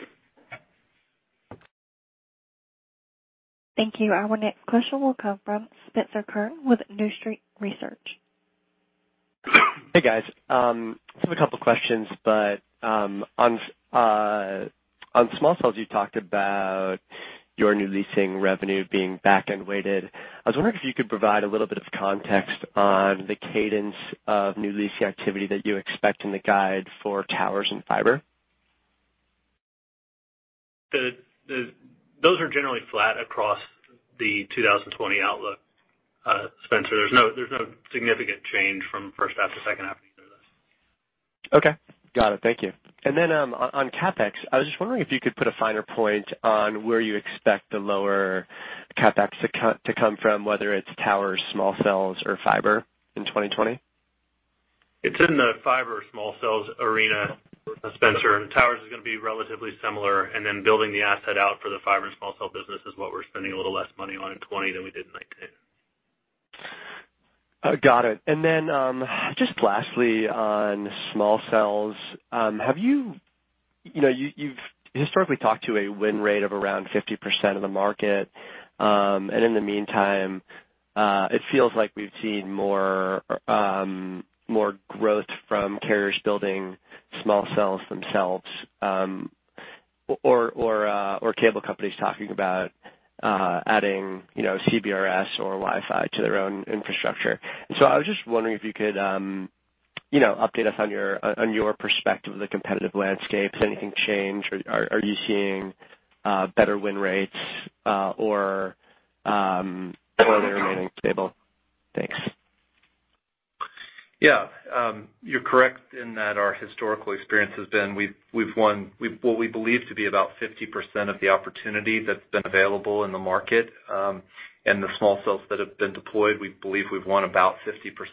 Thank you. Our next question will come from Spencer Kurn with New Street Research. Hey, guys. Just have a couple questions, but on small cells, you talked about your new leasing revenue being back-end weighted. I was wondering if you could provide a little bit of context on the cadence of new leasing activity that you expect in the guide for towers and fiber? Those are generally flat across the 2020 outlook, Spencer. There is no significant change from first half to second half either of those. Okay. Got it. Thank you. On CapEx, I was just wondering if you could put a finer point on where you expect the lower CapEx to come from, whether it's towers, small cells, or fiber in 2020. It's in the Fiber Small Cells arena, Spencer. Towers is gonna be relatively similar, and then building the asset out for the Fiber and Small Cell Business is what we're spending a little less money on in 2020 than we did in 2019. Got it. Just lastly on small cells, you've historically talked to a win rate of around 50% of the market. In the meantime, it feels like we've seen more growth from carriers building small cells themselves or cable companies talking about adding CBRS or Wi-Fi to their own infrastructure. I was just wondering if you could update us on your perspective of the competitive landscape. Has anything changed or are you seeing better win rates or remaining stable? Thanks. Yeah. You're correct in that our historical experience has been, we've won what we believe to be about 50% of the opportunity that's been available in the market. The small cells that have been deployed, we believe we've won about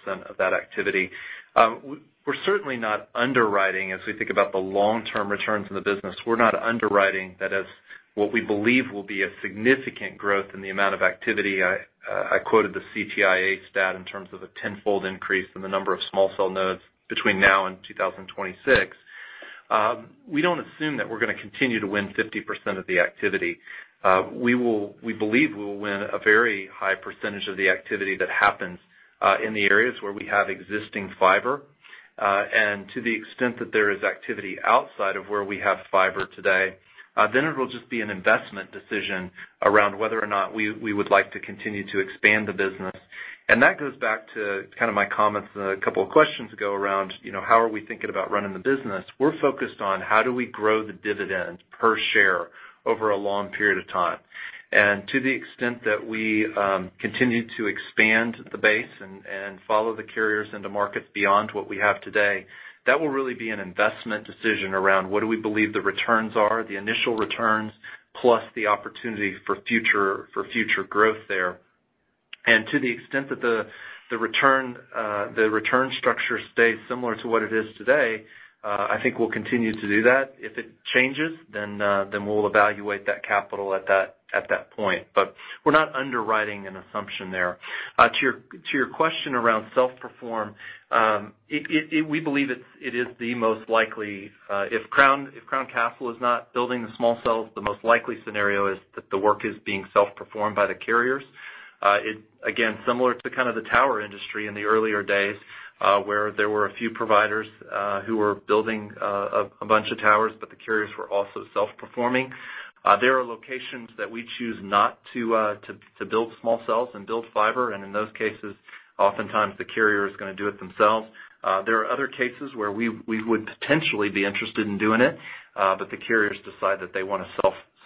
50% of that activity. We're certainly not underwriting, as we think about the long-term returns in the business, we're not underwriting that as what we believe will be a significant growth in the amount of activity. I quoted the CTIA stat in terms of a tenfold increase in the number of small cell nodes between now and 2026. We don't assume that we're gonna continue to win 50% of the activity. We believe we will win a very high percentage of the activity that happens in the areas where we have existing fiber. To the extent that there is activity outside of where we have fiber today, then it'll just be an investment decision around whether or not we would like to continue to expand the business. That goes back to kind of my comments a couple of questions ago around how are we thinking about running the business. We're focused on how do we grow the dividend per share over a long period of time. To the extent that we continue to expand the base and follow the carriers into markets beyond what we have today, that will really be an investment decision around what do we believe the returns are, the initial returns, plus the opportunity for future growth there. To the extent that the return structure stays similar to what it is today, I think we'll continue to do that. If it changes, we'll evaluate that capital at that point. We're not underwriting an assumption there. To your question around self-perform, we believe it is the most likely scenario if Crown Castle is not building the small cells, that the work is being self-performed by the carriers. Similar to kind of the tower industry in the earlier days, where there were a few providers who were building a bunch of towers, but the carriers were also self-performing. There are locations that we choose not to build small cells and build fiber, and in those cases, oftentimes the carrier is gonna do it themselves. There are other cases where we would potentially be interested in doing it, but the carriers decide that they wanna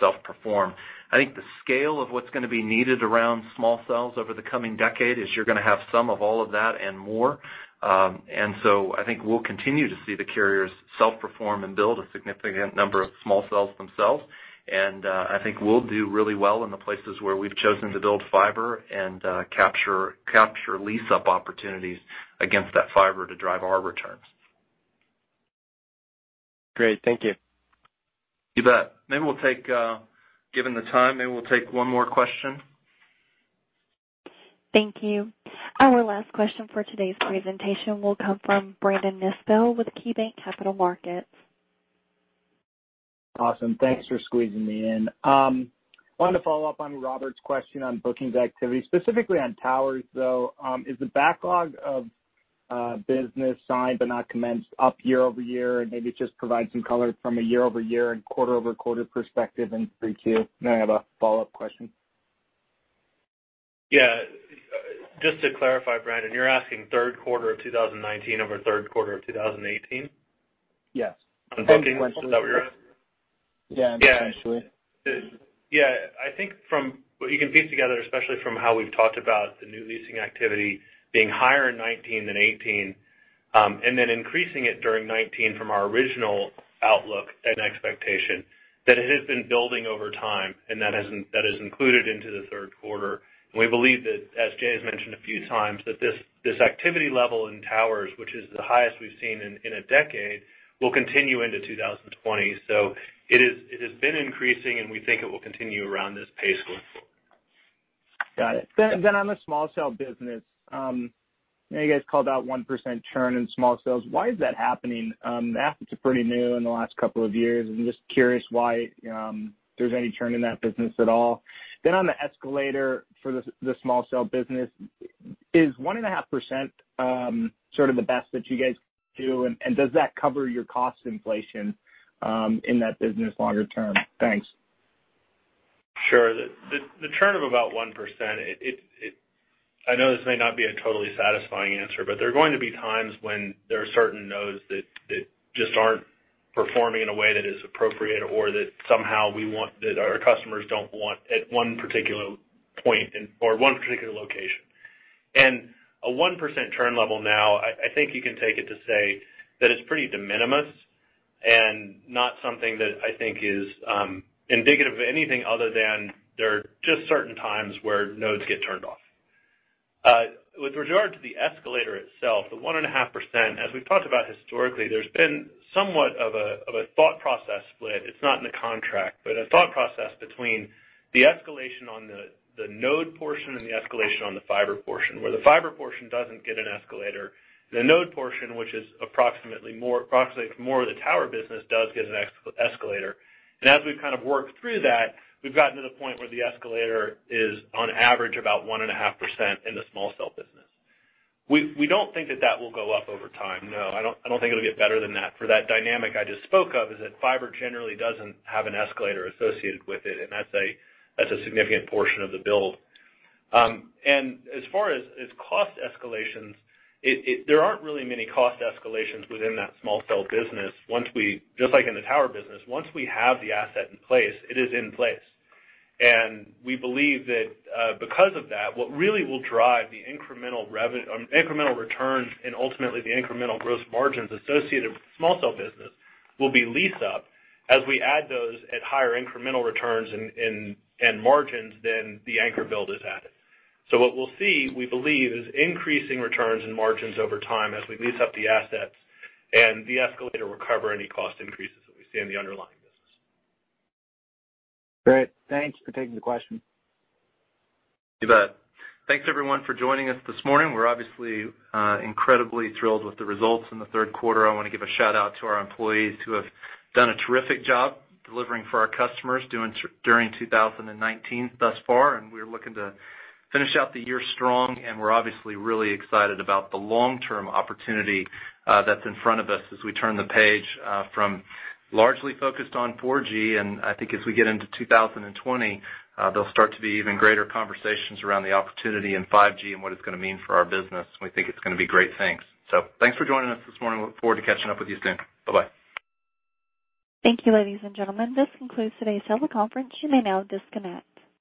self-perform. I think the scale of what's gonna be needed around small cells over the coming decade is you're gonna have some of all of that and more. I think we'll continue to see the carriers self-perform and build a significant number of small cells themselves. I think we'll do really well in the places where we've chosen to build fiber and capture lease-up opportunities against that fiber to drive our returns. Great. Thank you. You bet. Given the time, maybe we'll take one more question. Thank you. Our last question for today's presentation will come from Brandon Nispel with KeyBanc Capital Markets. Awesome. Thanks for squeezing me in. I wanted to follow up on Robert's question on bookings activity, specifically on towers, though. Is the backlog of business signed but not commenced up year-over-year? Maybe just provide some color from a year-over-year and quarter-over-quarter perspective in 3Q. I have a follow-up question. Yeah. Just to clarify, Brandon, you're asking third quarter of 2019 over third quarter of 2018? Yes. On bookings, is that what you're asking? Yeah. Yeah. I think from what you can piece together, especially from how we've talked about the new leasing activity being higher in 2019 than 2018, and then increasing it during 2019 from our original outlook and expectation, that it has been building over time, and that is included into the third quarter. We believe that, as Jay has mentioned a few times, that this activity level in towers, which is the highest we've seen in a decade, will continue into 2020. It has been increasing, and we think it will continue around this pace going forward. Got it. On the small cell business, you guys called out 1% churn in small cells. Why is that happening? That's pretty new in the last couple of years, and just curious why there's any churn in that business at all. On the escalator for the small cell business, is 1.5% sort of the best that you guys do, and does that cover your cost inflation in that business longer term? Thanks. Sure. The churn of about 1%, I know this may not be a totally satisfying answer, there are going to be times when there are certain nodes that just aren't performing in a way that is appropriate or that somehow our customers don't want at one particular point or one particular location. A 1% churn level now, I think you can take it to say that it's pretty de minimis and not something that I think is indicative of anything other than there are just certain times where nodes get turned off. With regard to the escalator itself, the 1.5%, as we've talked about historically, there's been somewhat of a thought process split. It's not in the contract, a thought process between the escalation on the node portion and the escalation on the fiber portion, where the fiber portion doesn't get an escalator. The node portion, which is approximately more of the tower business, does get an escalator. As we've kind of worked through that, we've gotten to the point where the escalator is, on average, about 1.5% in the small cell business. We don't think that that will go up over time. No, I don't think it'll get better than that for that dynamic I just spoke of, is that fiber generally doesn't have an escalator associated with it, and that's a significant portion of the build. As far as cost escalations, there aren't really many cost escalations within that small cell business. Just like in the tower business, once we have the asset in place, it is in place. We believe that because of that, what really will drive the incremental returns and ultimately the incremental gross margins associated with the small cell business will be lease-up as we add those at higher incremental returns and margins than the anchor build is at. What we'll see, we believe, is increasing returns and margins over time as we lease up the assets and de-escalate recover any cost increases that we see in the underlying business. Great. Thanks for taking the question. You bet. Thanks, everyone, for joining us this morning. We're obviously incredibly thrilled with the results in the third quarter. I want to give a shout-out to our employees, who have done a terrific job delivering for our customers during 2019 thus far. We're looking to finish out the year strong. We're obviously really excited about the long-term opportunity that's in front of us as we turn the page from largely focused on 4G. I think as we get into 2020, there'll start to be even greater conversations around the opportunity in 5G and what it's going to mean for our business. We think it's going to be great things. Thanks for joining us this morning. We look forward to catching up with you soon. Bye-bye. Thank you, ladies and gentlemen. This concludes today's teleconference. You may now disconnect.